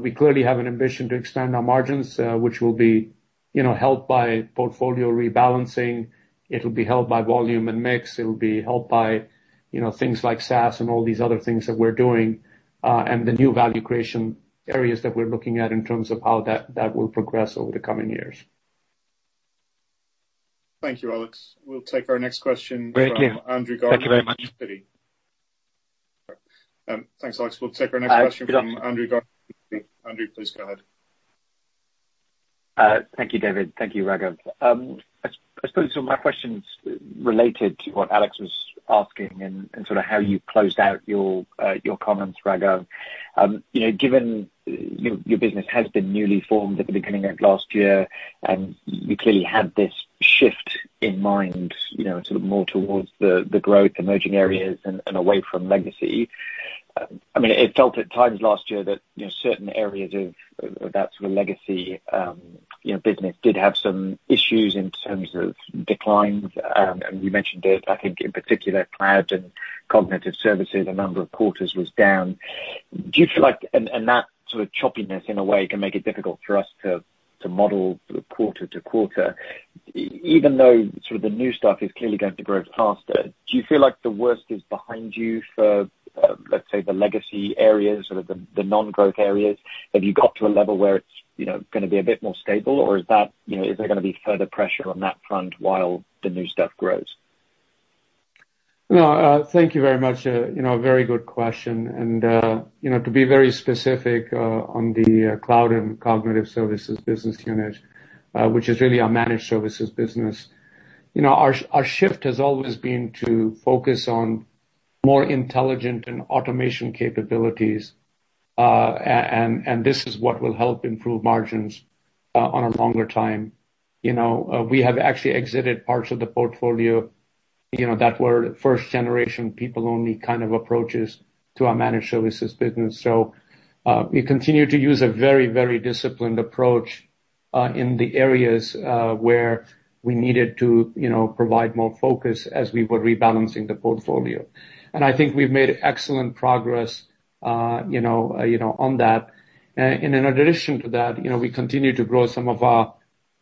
we clearly have an ambition to extend our margins, which will be, you know, helped by portfolio rebalancing. It'll be helped by volume and mix. It will be helped by, you know, things like SaaS and all these other things that we're doing, and the new value creation areas that we're looking at in terms of how that will progress over the coming years. Thank you, Alex. We'll take our next question from- Great. Yeah. - Andrew Gardiner. Thank you very much. Thanks, Aleksander. We'll take our next question from Andrew Gardiner. Andrew, please go ahead. Thank you, David. Thank you, Raghav. I suppose some of my questions related to what Alex was asking and sort of how you closed out your comments, Raghav. You know, given your business has been newly formed at the beginning of last year, and you clearly had this shift in mind, you know, sort of more towards the growth, emerging areas and away from legacy. I mean, it felt at times last year that, you know, certain areas of that sort of legacy business did have some issues in terms of declines. You mentioned it, I think in particular, Cloud and Network Services, the number of quarters was down. Do you feel like... That sort of choppiness in a way can make it difficult for us to model sort of quarter to quarter. Even though sort of the new stuff is clearly going to grow faster, do you feel like the worst is behind you for, let's say the legacy areas or the non-growth areas? Have you got to a level where it's, you know, gonna be a bit more stable, or is that, you know, is there gonna be further pressure on that front while the new stuff grows? No, thank you very much. You know, very good question. You know, to be very specific, on the Cloud and Network Services business unit, which is really our managed services business. You know, our shift has always been to focus on more intelligent and automation capabilities. This is what will help improve margins on a longer time. You know, we have actually exited parts of the portfolio, you know, that were first generation people only kind of approaches to our managed services business. We continue to use a very disciplined approach in the areas where we needed to, you know, provide more focus as we were rebalancing the portfolio. I think we've made excellent progress, you know, on that. In addition to that, you know, we continue to grow some of our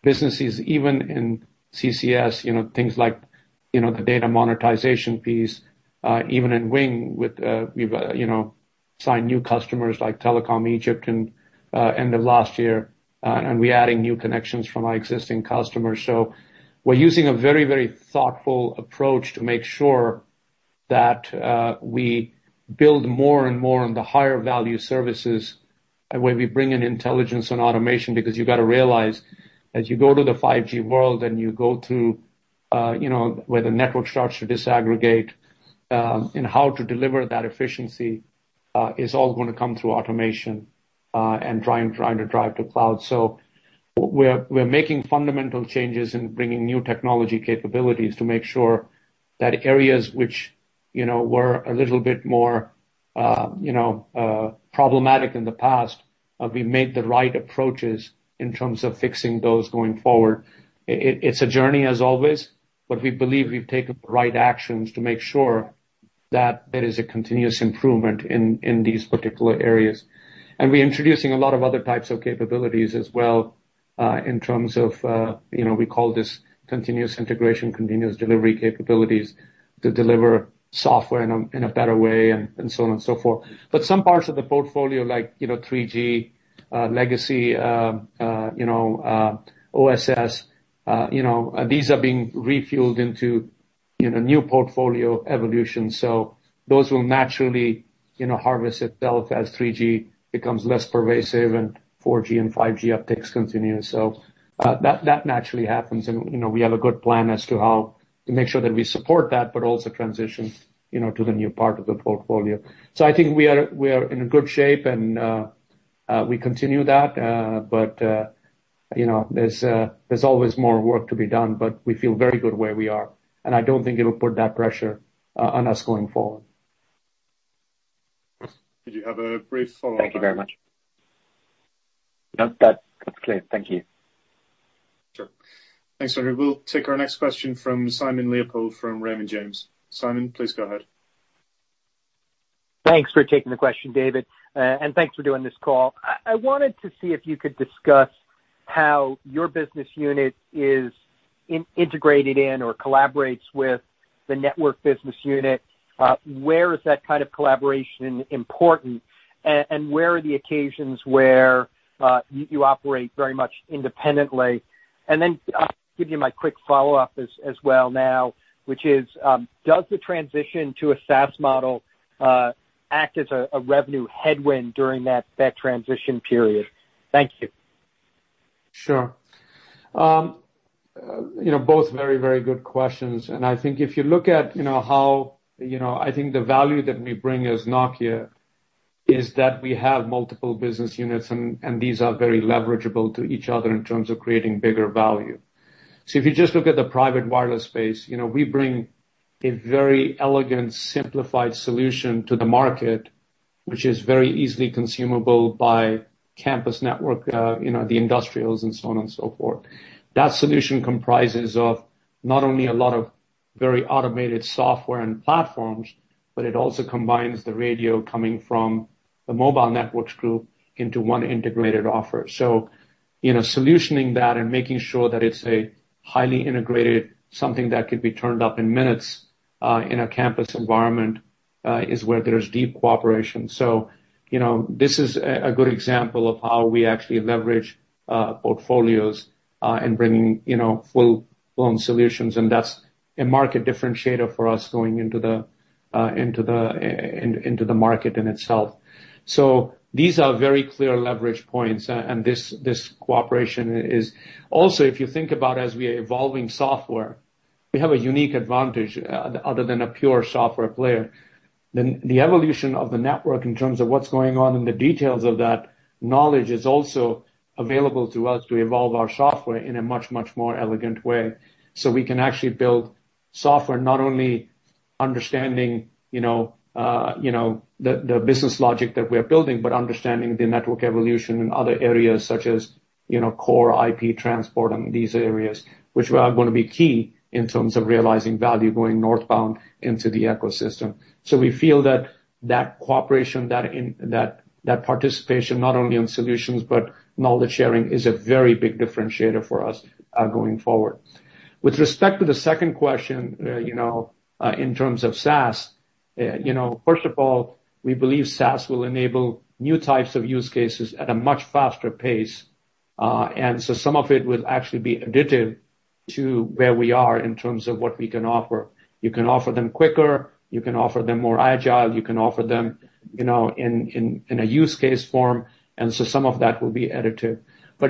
businesses, even in CCS, you know, things like, you know, the data monetization piece, even in WING with, we've, you know, signed new customers like Telecom Egypt in end of last year, and we're adding new connections from our existing customers. We're using a very, very thoughtful approach to make sure that, we build more and more on the higher value services and where we bring in intelligence and automation, because you've got to realize as you go to the 5G world and you go to, you know, where the network starts to disaggregate, and how to deliver that efficiency, is all gonna come through automation, and trying to drive to cloud. We're making fundamental changes in bringing new technology capabilities to make sure that areas which, you know, were a little bit more problematic in the past, we made the right approaches in terms of fixing those going forward. It's a journey as always, but we believe we've taken the right actions to make sure that there is a continuous improvement in these particular areas. We're introducing a lot of other types of capabilities as well, in terms of, you know, we call this continuous integration, continuous delivery capabilities to deliver software in a better way and so on and so forth. Some parts of the portfolio like, you know, 3G legacy OSS these are being refueled into, you know, new portfolio evolution. Those will naturally, you know, harvest itself as 3G becomes less pervasive and 4G and 5G upticks continue. That naturally happens. You know, we have a good plan as to how to make sure that we support that, but also transition, you know, to the new part of the portfolio. I think we are in a good shape and we continue that. You know, there's always more work to be done, but we feel very good where we are. I don't think it'll put that pressure on us going forward. Did you have a brief follow-up? Thank you very much. No, that's clear. Thank you. Sure. Thanks, Andrew. We'll take our next question from Simon Leopold from Raymond James. Simon, please go ahead. Thanks for taking the question, David. Thanks for doing this call. I wanted to see if you could discuss How your business unit is integrated in or collaborates with the network business unit, where is that kind of collaboration important? Where are the occasions where you operate very much independently? I'll give you my quick follow-up as well now, which is, does the transition to a SaaS model act as a revenue headwind during that transition period? Thank you. Sure. You know, both very, very good questions. I think if you look at, you know, how, you know, I think the value that we bring as Nokia is that we have multiple business units and these are very leverageable to each other in terms of creating bigger value. If you just look at the private wireless space, you know, we bring a very elegant, simplified solution to the market, which is very easily consumable by campus network, you know, the industrials and so on and so forth. That solution comprises of not only a lot of very automated software and platforms, but it also combines the radio coming from the Mobile Networks group into one integrated offer. You know, solutioning that and making sure that it's a highly integrated, something that could be turned up in minutes, in a campus environment, is where there's deep cooperation. You know, this is a good example of how we actually leverage, portfolios, in bringing, you know, full-blown solutions, and that's a market differentiator for us going into the market in itself. These are very clear leverage points. This cooperation is. Also, if you think about as we are evolving software, we have a unique advantage, other than a pure software player. Then the evolution of the network in terms of what's going on in the details of that knowledge is also available to us to evolve our software in a much more elegant way. We can actually build software not only understanding, you know, the business logic that we are building, but understanding the network evolution in other areas such as, you know, core IP transport and these areas, which are gonna be key in terms of realizing value going northbound into the ecosystem. We feel that cooperation, that participation, not only on solutions, but knowledge sharing, is a very big differentiator for us going forward. With respect to the second question, you know, in terms of SaaS, first of all, we believe SaaS will enable new types of use cases at a much faster pace. Some of it will actually be additive to where we are in terms of what we can offer. You can offer them quicker, you can offer them more agile, you can offer them, you know, in a use case form. Some of that will be additive.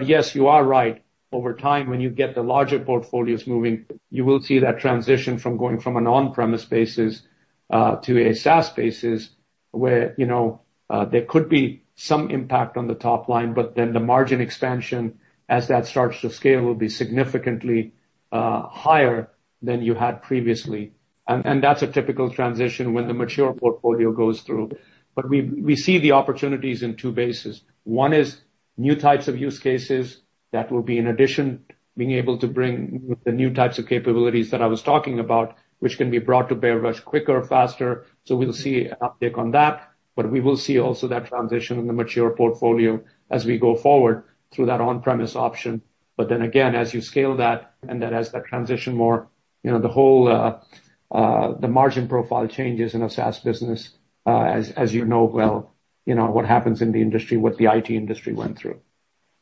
Yes, you are right. Over time, when you get the larger portfolios moving, you will see that transition from going from an on-premise basis to a SaaS basis, where, you know, there could be some impact on the top line, but then the margin expansion as that starts to scale will be significantly higher than you had previously. That's a typical transition when the mature portfolio goes through. We see the opportunities in two bases. One is new types of use cases that will be in addition being able to bring the new types of capabilities that I was talking about, which can be brought to bear much quicker, faster. We'll see an uptick on that. We will see also that transition in the mature portfolio as we go forward through that on-premise option. Then again, as you scale that, and then as that transition more, you know, the whole, the margin profile changes in a SaaS business, as you know well, you know, what happens in the industry, what the IT industry went through.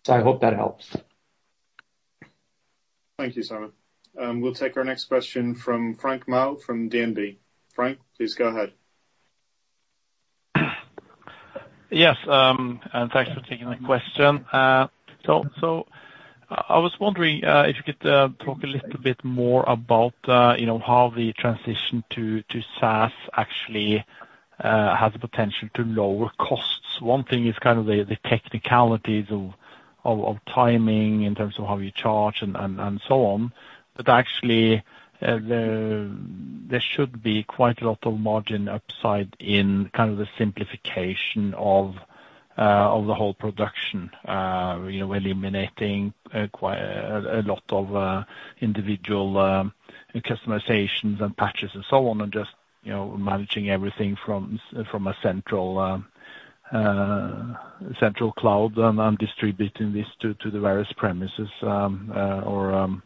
I hope that helps. Thank you, Simon. We'll take our next question from Frank Maaø from DNB. Frank, please go ahead. Yes, thanks for taking my question. I was wondering if you could talk a little bit more about you know how the transition to SaaS actually has the potential to lower costs. One thing is kind of the technicalities of timing in terms of how you charge and so on. Actually, there should be quite a lot of margin upside in kind of the simplification of the whole production you know eliminating a lot of individual customizations and patches and so on, and just you know managing everything from a central cloud and distributing this to the various premises or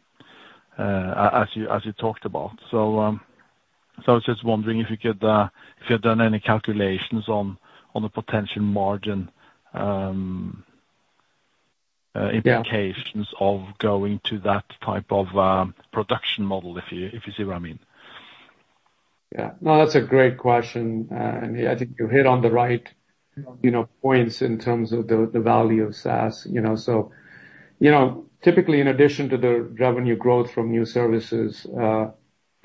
as you talked about. I was just wondering if you could, if you had done any calculations on the potential margin implications? Yeah. of going to that type of production model, if you see what I mean. Yeah. No, that's a great question. I think you hit on the right, you know, points in terms of the value of SaaS, you know. Typically in addition to the revenue growth from new services,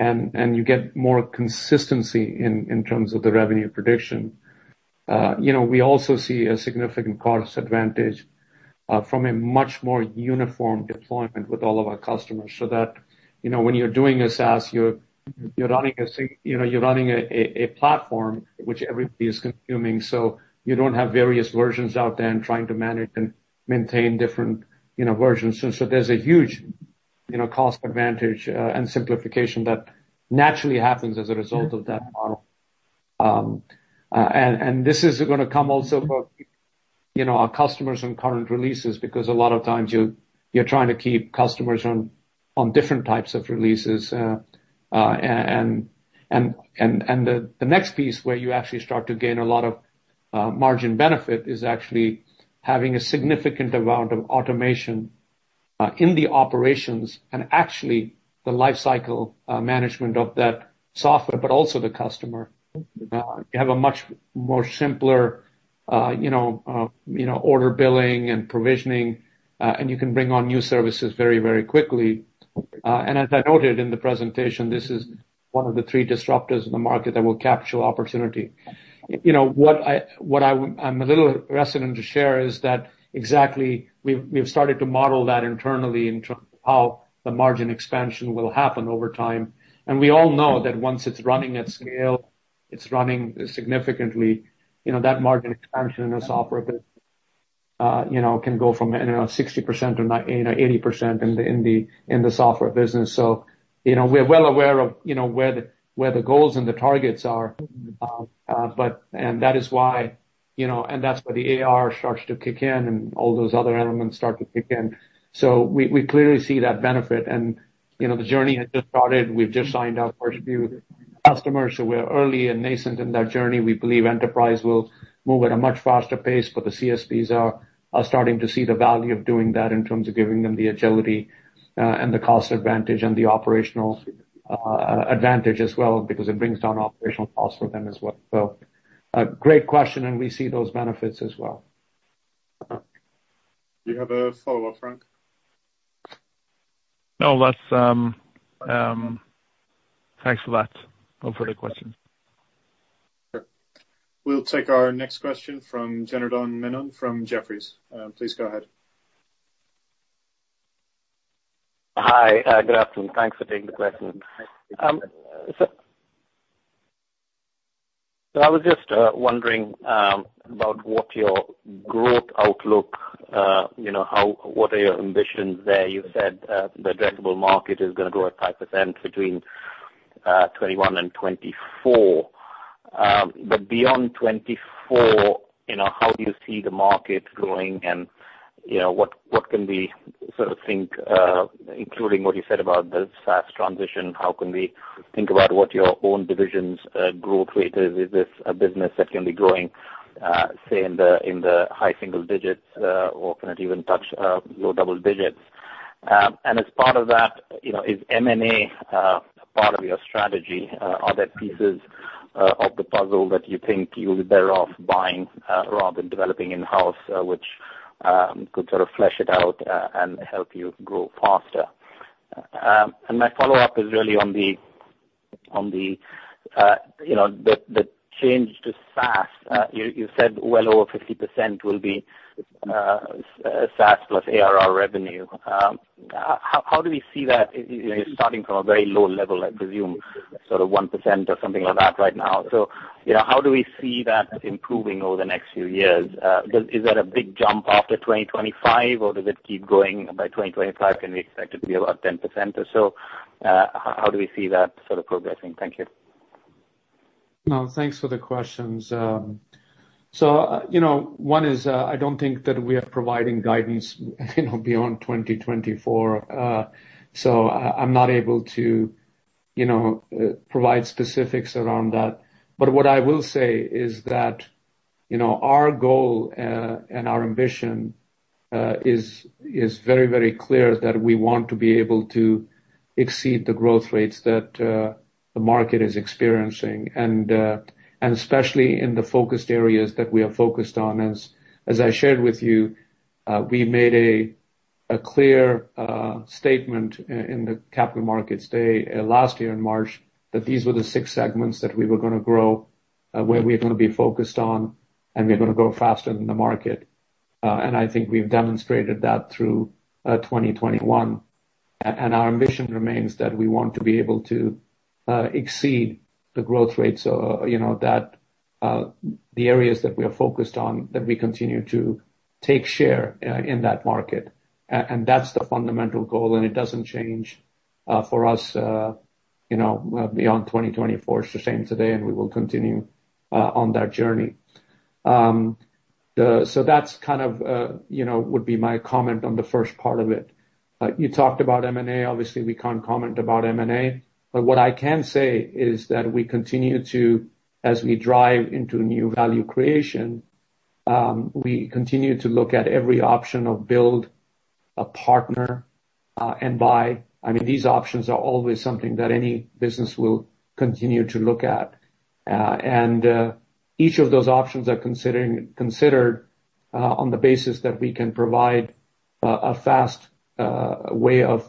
and you get more consistency in terms of the revenue prediction, you know, we also see a significant cost advantage from a much more uniform deployment with all of our customers, so that, you know, when you're doing a SaaS, you're running a platform which everybody is consuming, so you don't have various versions out there and trying to manage and maintain different versions. There's a huge, you know, cost advantage, and simplification that naturally happens as a result of that model. This is gonna come also for, you know, our customers on current releases, because a lot of times you're trying to keep customers on different types of releases. The next piece where you actually start to gain a lot of margin benefit is actually having a significant amount of automation in the operations and actually the life cycle management of that software, but also the customer. You have a much more simpler, you know, order billing and provisioning, and you can bring on new services very, very quickly. As I noted in the presentation, this is one of the three disruptors in the market that will capture opportunity. You know, what I'm a little hesitant to share is that exactly we've started to model that internally in terms of how the margin expansion will happen over time. We all know that once it's running at scale, it's running significantly. You know, that margin expansion in a software business can go from 60%-80% in the software business. You know, we're well aware of where the goals and the targets are. That is why, you know, and that's where the AR starts to kick in, and all those other elements start to kick in. We clearly see that benefit. You know, the journey has just started. We've just signed our first few customers, so we're early and nascent in that journey. We believe enterprise will move at a much faster pace, but the CSPs are starting to see the value of doing that in terms of giving them the agility, and the cost advantage and the operational advantage as well, because it brings down operational costs for them as well. A great question, and we see those benefits as well. Do you have a follow-up, Frank? No, that's. Thanks for that. No further questions. Sure. We'll take our next question from Janardan Menon from Jefferies. Please go ahead. Hi. Good afternoon. Thanks for taking the question. So I was just wondering about what your growth outlook, you know, what are your ambitions there? You said the addressable market is gonna grow at 5% between 2021 and 2024. But beyond 2024, you know, how do you see the market growing and, you know, what can we sort of think, including what you said about the SaaS transition, how can we think about what your own division's growth rate is? Is this a business that can be growing, say in the high single digits, or can it even touch low double digits? And as part of that, you know, is M&A part of your strategy? Are there pieces of the puzzle that you think you'll be better off buying rather than developing in-house, which could sort of flesh it out and help you grow faster? My follow-up is really on the, you know, the change to SaaS. You said well over 50% will be SaaS plus ARR revenue. How do we see that, you know, starting from a very low level, I presume, sort of 1% or something like that right now. You know, how do we see that improving over the next few years? Is that a big jump after 2025 or does it keep going? By 2025, can we expect it to be about 10% or so? How do we see that sort of progressing? Thank you. No, thanks for the questions. So, you know, one is, I don't think that we are providing guidance, you know, beyond 2024. So I'm not able to, you know, provide specifics around that. But what I will say is that, you know, our goal, and our ambition, is very, very clear that we want to be able to exceed the growth rates that, the market is experiencing, and especially in the focused areas that we are focused on. As, as I shared with you, we made a clear, statement in the Capital Markets Day, last year in March, that these were the six segments that we were gonna grow, where we're gonna be focused on, and we're gonna grow faster than the market. And I think we've demonstrated that through, 2021. Our ambition remains that we want to be able to exceed the growth rates, you know, that the areas that we are focused on, that we continue to take share in that market. That's the fundamental goal, and it doesn't change for us, you know, beyond 2024. It's the same today, and we will continue on that journey. That's kind of, you know, would be my comment on the first part of it. You talked about M&A. Obviously, we can't comment about M&A. What I can say is that we continue to, as we drive into new value creation, we continue to look at every option of build, partner, and buy. I mean, these options are always something that any business will continue to look at. Each of those options are considered on the basis that we can provide a fast way of,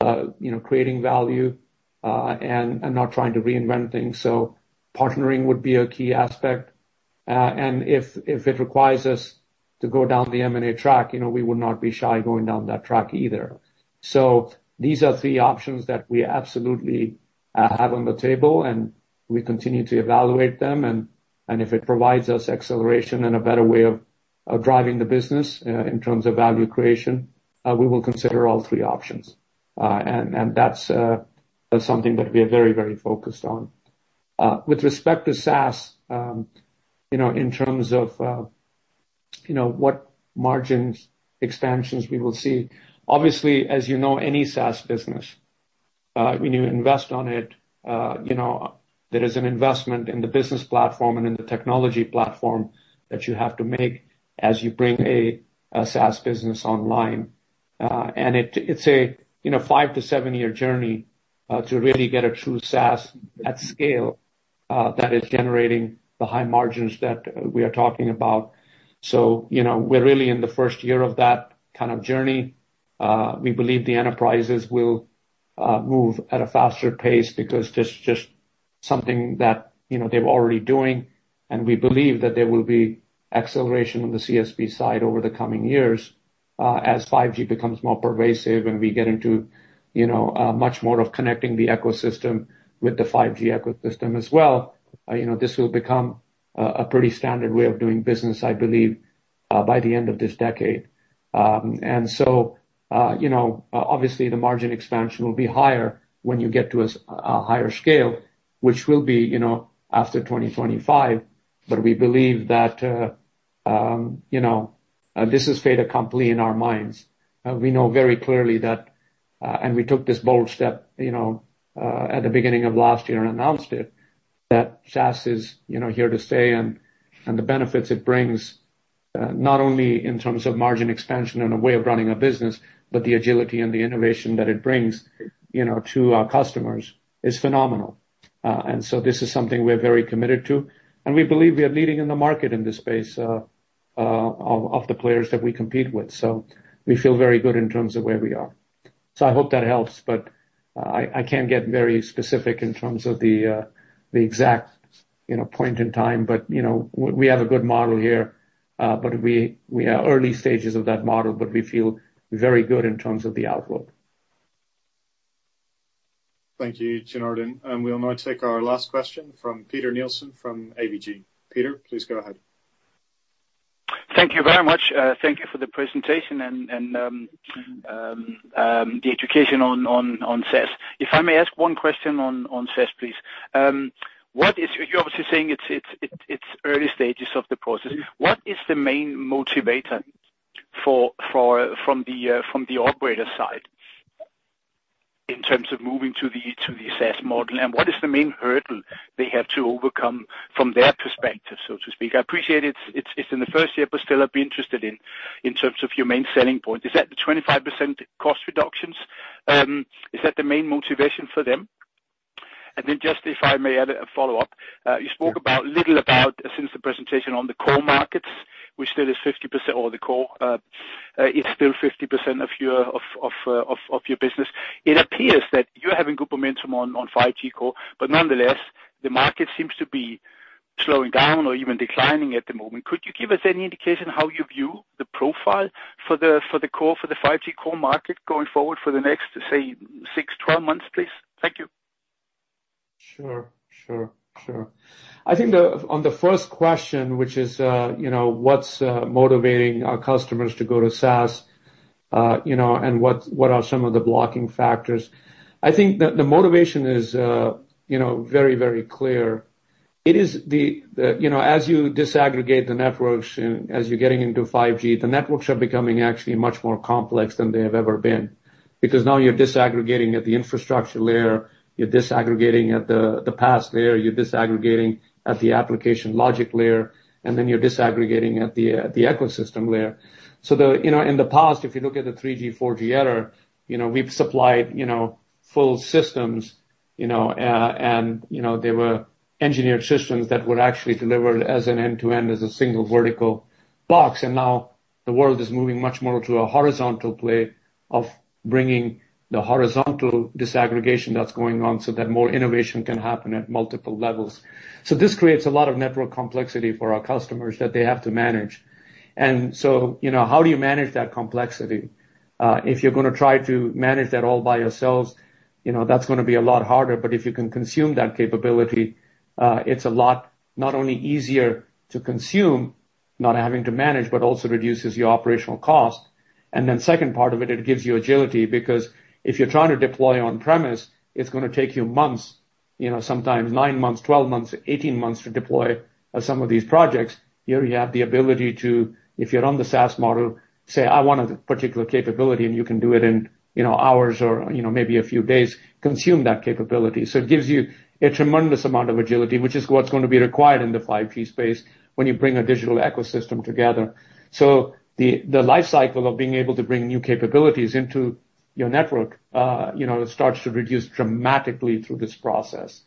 you know, creating value and not trying to reinvent things. Partnering would be a key aspect. If it requires us to go down the M&A track, you know, we would not be shy going down that track either. These are three options that we absolutely have on the table, and we continue to evaluate them and if it provides us acceleration and a better way of driving the business in terms of value creation, we will consider all three options. That's something that we are very, very focused on. With respect to SaaS, you know, in terms of, you know, what margins expansions we will see. Obviously, as you know, any SaaS business, when you invest on it, you know, there is an investment in the business platform and in the technology platform that you have to make as you bring a SaaS business online. It's a, you know, five- to seven-year journey to really get a true SaaS at scale that is generating the high margins that we are talking about. You know, we're really in the first year of that kind of journey. We believe the enterprises will move at a faster pace because that's just something that, you know, they're already doing. We believe that there will be acceleration on the CSP side over the coming years as 5G becomes more pervasive and we get into, you know, much more of connecting the ecosystem with the 5G ecosystem as well. You know, this will become a pretty standard way of doing business, I believe, by the end of this decade. You know, obviously the margin expansion will be higher when you get to a higher scale, which will be, you know, after 2025. We believe that this is fait accompli in our minds. We know very clearly that and we took this bold step, you know, at the beginning of last year and announced it, that SaaS is, you know, here to stay and the benefits it brings, not only in terms of margin expansion and a way of running a business, but the agility and the innovation that it brings, you know, to our customers is phenomenal. This is something we're very committed to, and we believe we are leading in the market in this space, of the players that we compete with. We feel very good in terms of where we are. I hope that helps, but I can't get very specific in terms of the exact, you know, point in time. You know, we have a good model here, but we are early stages of that model, but we feel very good in terms of the outlook. Thank you, Janardan. We'll now take our last question from Peter Nielsen from ABG. Peter, please go ahead. Thank you very much. Thank you for the presentation and the education on SaaS. If I may ask one question on SaaS, please. You're obviously saying it's early stages of the process. What is the main motivator from the operator side in terms of moving to the SaaS model? And what is the main hurdle they have to overcome from their perspective, so to speak? I appreciate it's in the first year, but still I'd be interested in terms of your main selling point. Is that the 25% cost reductions? Is that the main motivation for them? And then just if I may add a follow-up. You spoke a little about, since the presentation on the core markets, which still is 50%, or the core, is still 50% of your business. It appears that you're having good momentum on 5G core, but nonetheless, the market seems to be slowing down or even declining at the moment. Could you give us any indication how you view the profile for the 5G core market going forward for the next, say, six, 12 months, please? Thank you. Sure. I think on the first question, which is, you know, what's motivating our customers to go to SaaS, you know, and what are some of the blocking factors? I think the motivation is, you know, very clear. You know, as you disaggregate the networks and as you're getting into 5G, the networks are becoming actually much more complex than they have ever been. Because now you're disaggregating at the infrastructure layer, you're disaggregating at the PaaS layer, you're disaggregating at the application logic layer, and then you're disaggregating at the ecosystem layer. The You know, in the past, if you look at the 3G, 4G era, you know, we've supplied, you know, full systems, you know, and you know, they were engineered systems that were actually delivered as an end-to-end, as a single vertical box. Now the world is moving much more to a horizontal play of bringing the horizontal disaggregation that's going on so that more innovation can happen at multiple levels. This creates a lot of network complexity for our customers that they have to manage. You know, how do you manage that complexity? If you're gonna try to manage that all by yourselves, you know, that's gonna be a lot harder. If you can consume that capability, it's a lot, not only easier to consume, not having to manage, but also reduces your operational cost. Then second part of it gives you agility, because if you're trying to deploy on-premise, it's gonna take you months, you know, sometimes nine months, 12 months, 18 months to deploy some of these projects. Here you have the ability to, if you're on the SaaS model, say, "I want a particular capability," and you can do it in, you know, hours or, you know, maybe a few days, consume that capability. It gives you a tremendous amount of agility, which is what's gonna be required in the 5G space when you bring a digital ecosystem together. The life cycle of being able to bring new capabilities into your network, you know, starts to reduce dramatically through this process.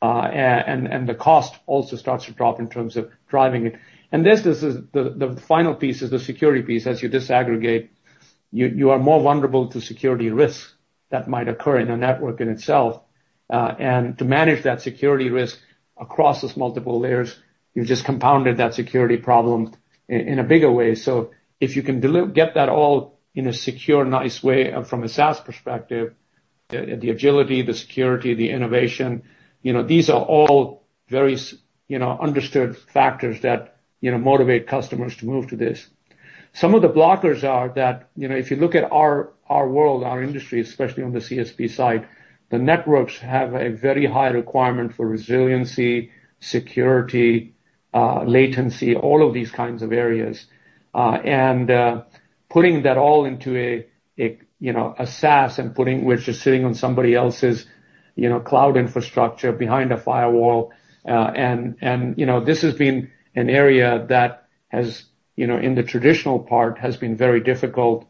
And the cost also starts to drop in terms of driving it. This is the final piece, the security piece. As you disaggregate, you are more vulnerable to security risks that might occur in a network in itself. To manage that security risk across those multiple layers, you've just compounded that security problem in a bigger way. If you can get that all in a secure, nice way from a SaaS perspective, the agility, the security, the innovation, you know, these are all very, you know, understood factors that, you know, motivate customers to move to this. Some of the blockers are that, you know, if you look at our world, our industry, especially on the CSP side, the networks have a very high requirement for resiliency, security, latency, all of these kinds of areas. Putting that all into a you know a SaaS which is sitting on somebody else's you know cloud infrastructure behind a firewall. This has been an area that has you know in the traditional part has been very difficult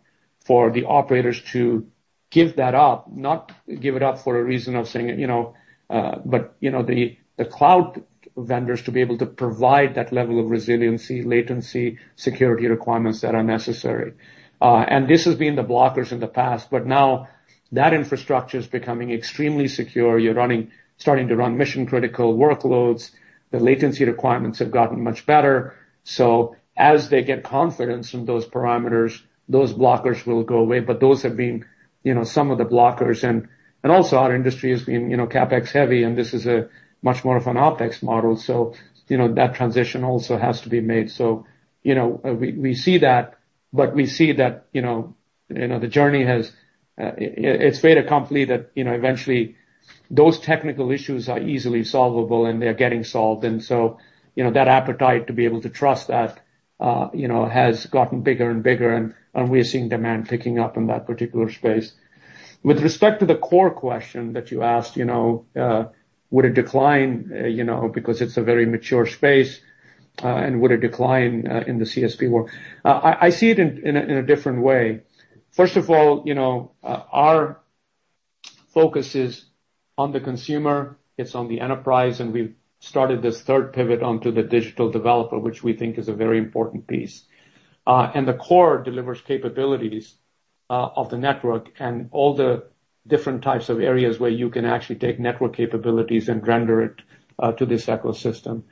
for the operators to give that up. Not give it up for a reason of saying you know but you know the the cloud vendors to be able to provide that level of resiliency latency security requirements that are necessary. This has been the blockers in the past, but now that infrastructure is becoming extremely secure. You're starting to run mission-critical workloads. The latency requirements have gotten much better. As they get confidence from those parameters, those blockers will go away. Those have been you know some of the blockers. also our industry has been, you know, CapEx heavy, and this is much more of an OpEx model, so, you know, that transition also has to be made. We see that, but we see that, you know, the journey has, it's fait accompli that, you know, eventually those technical issues are easily solvable, and they're getting solved. You know, that appetite to be able to trust that, you know, has gotten bigger and bigger, and we are seeing demand picking up in that particular space. With respect to the core question that you asked, you know, would a decline because it's a very mature space, and would a decline in the CSP world. I see it in a different way. First of all, you know, our focus is on the consumer, it's on the enterprise, and we've started this third pivot onto the digital developer, which we think is a very important piece. The core delivers capabilities of the network and all the different types of areas where you can actually take network capabilities and render it to this ecosystem.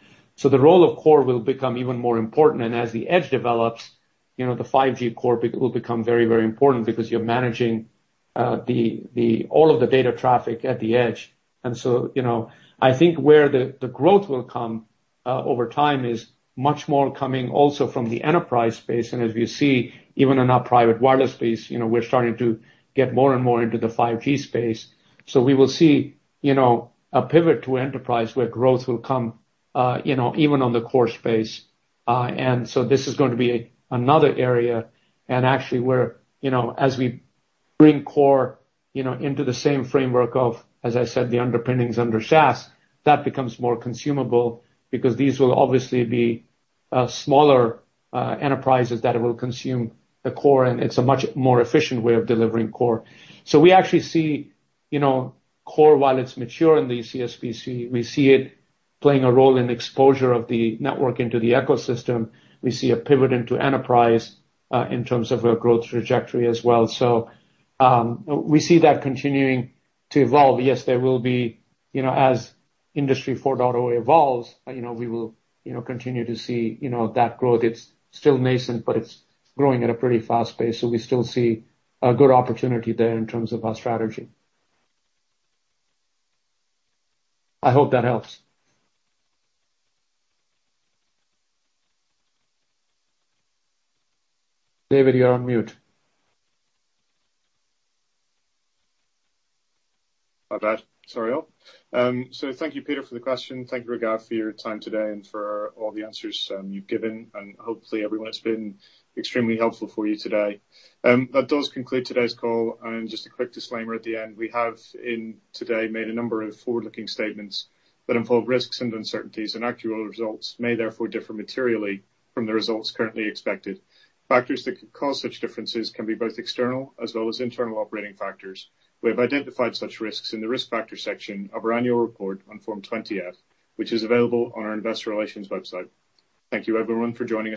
The role of core will become even more important, and as the edge develops, you know, the 5G core will become very, very important because you're managing all of the data traffic at the edge. You know, I think where the growth will come over time is much more coming also from the enterprise space. As you see, even in our private wireless space, you know, we're starting to get more and more into the 5G space. We will see, you know, a pivot to enterprise where growth will come, you know, even on the core space. This is going to be another area and actually where, you know, as we bring core, you know, into the same framework of, as I said, the underpinnings under SaaS, that becomes more consumable because these will obviously be smaller enterprises that will consume the core, and it's a much more efficient way of delivering core. We actually see, you know, core, while it's mature in the CSP space, we see it playing a role in exposure of the network into the ecosystem. We see a pivot into enterprise in terms of a growth trajectory as well. We see that continuing to evolve. Yes, there will be, you know, as Industry 4.0 evolves, you know, we will, you know, continue to see, you know, that growth. It's still nascent, but it's growing at a pretty fast pace, so we still see a good opportunity there in terms of our strategy. I hope that helps. David, you're on mute. My bad. Sorry all. So thank you, Peter, for the question. Thank you, Raghav, for your time today and for all the answers you've given, and hopefully everyone it's been extremely helpful for you today. That does conclude today's call. Just a quick disclaimer at the end, we have in today made a number of forward-looking statements that involve risks and uncertainties, and actual results may therefore differ materially from the results currently expected. Factors that could cause such differences can be both external, as well as internal operating factors. We have identified such risks in the risk factor section of our annual report on Form 20-F, which is available on our investor relations website. Thank you, everyone, for joining us today.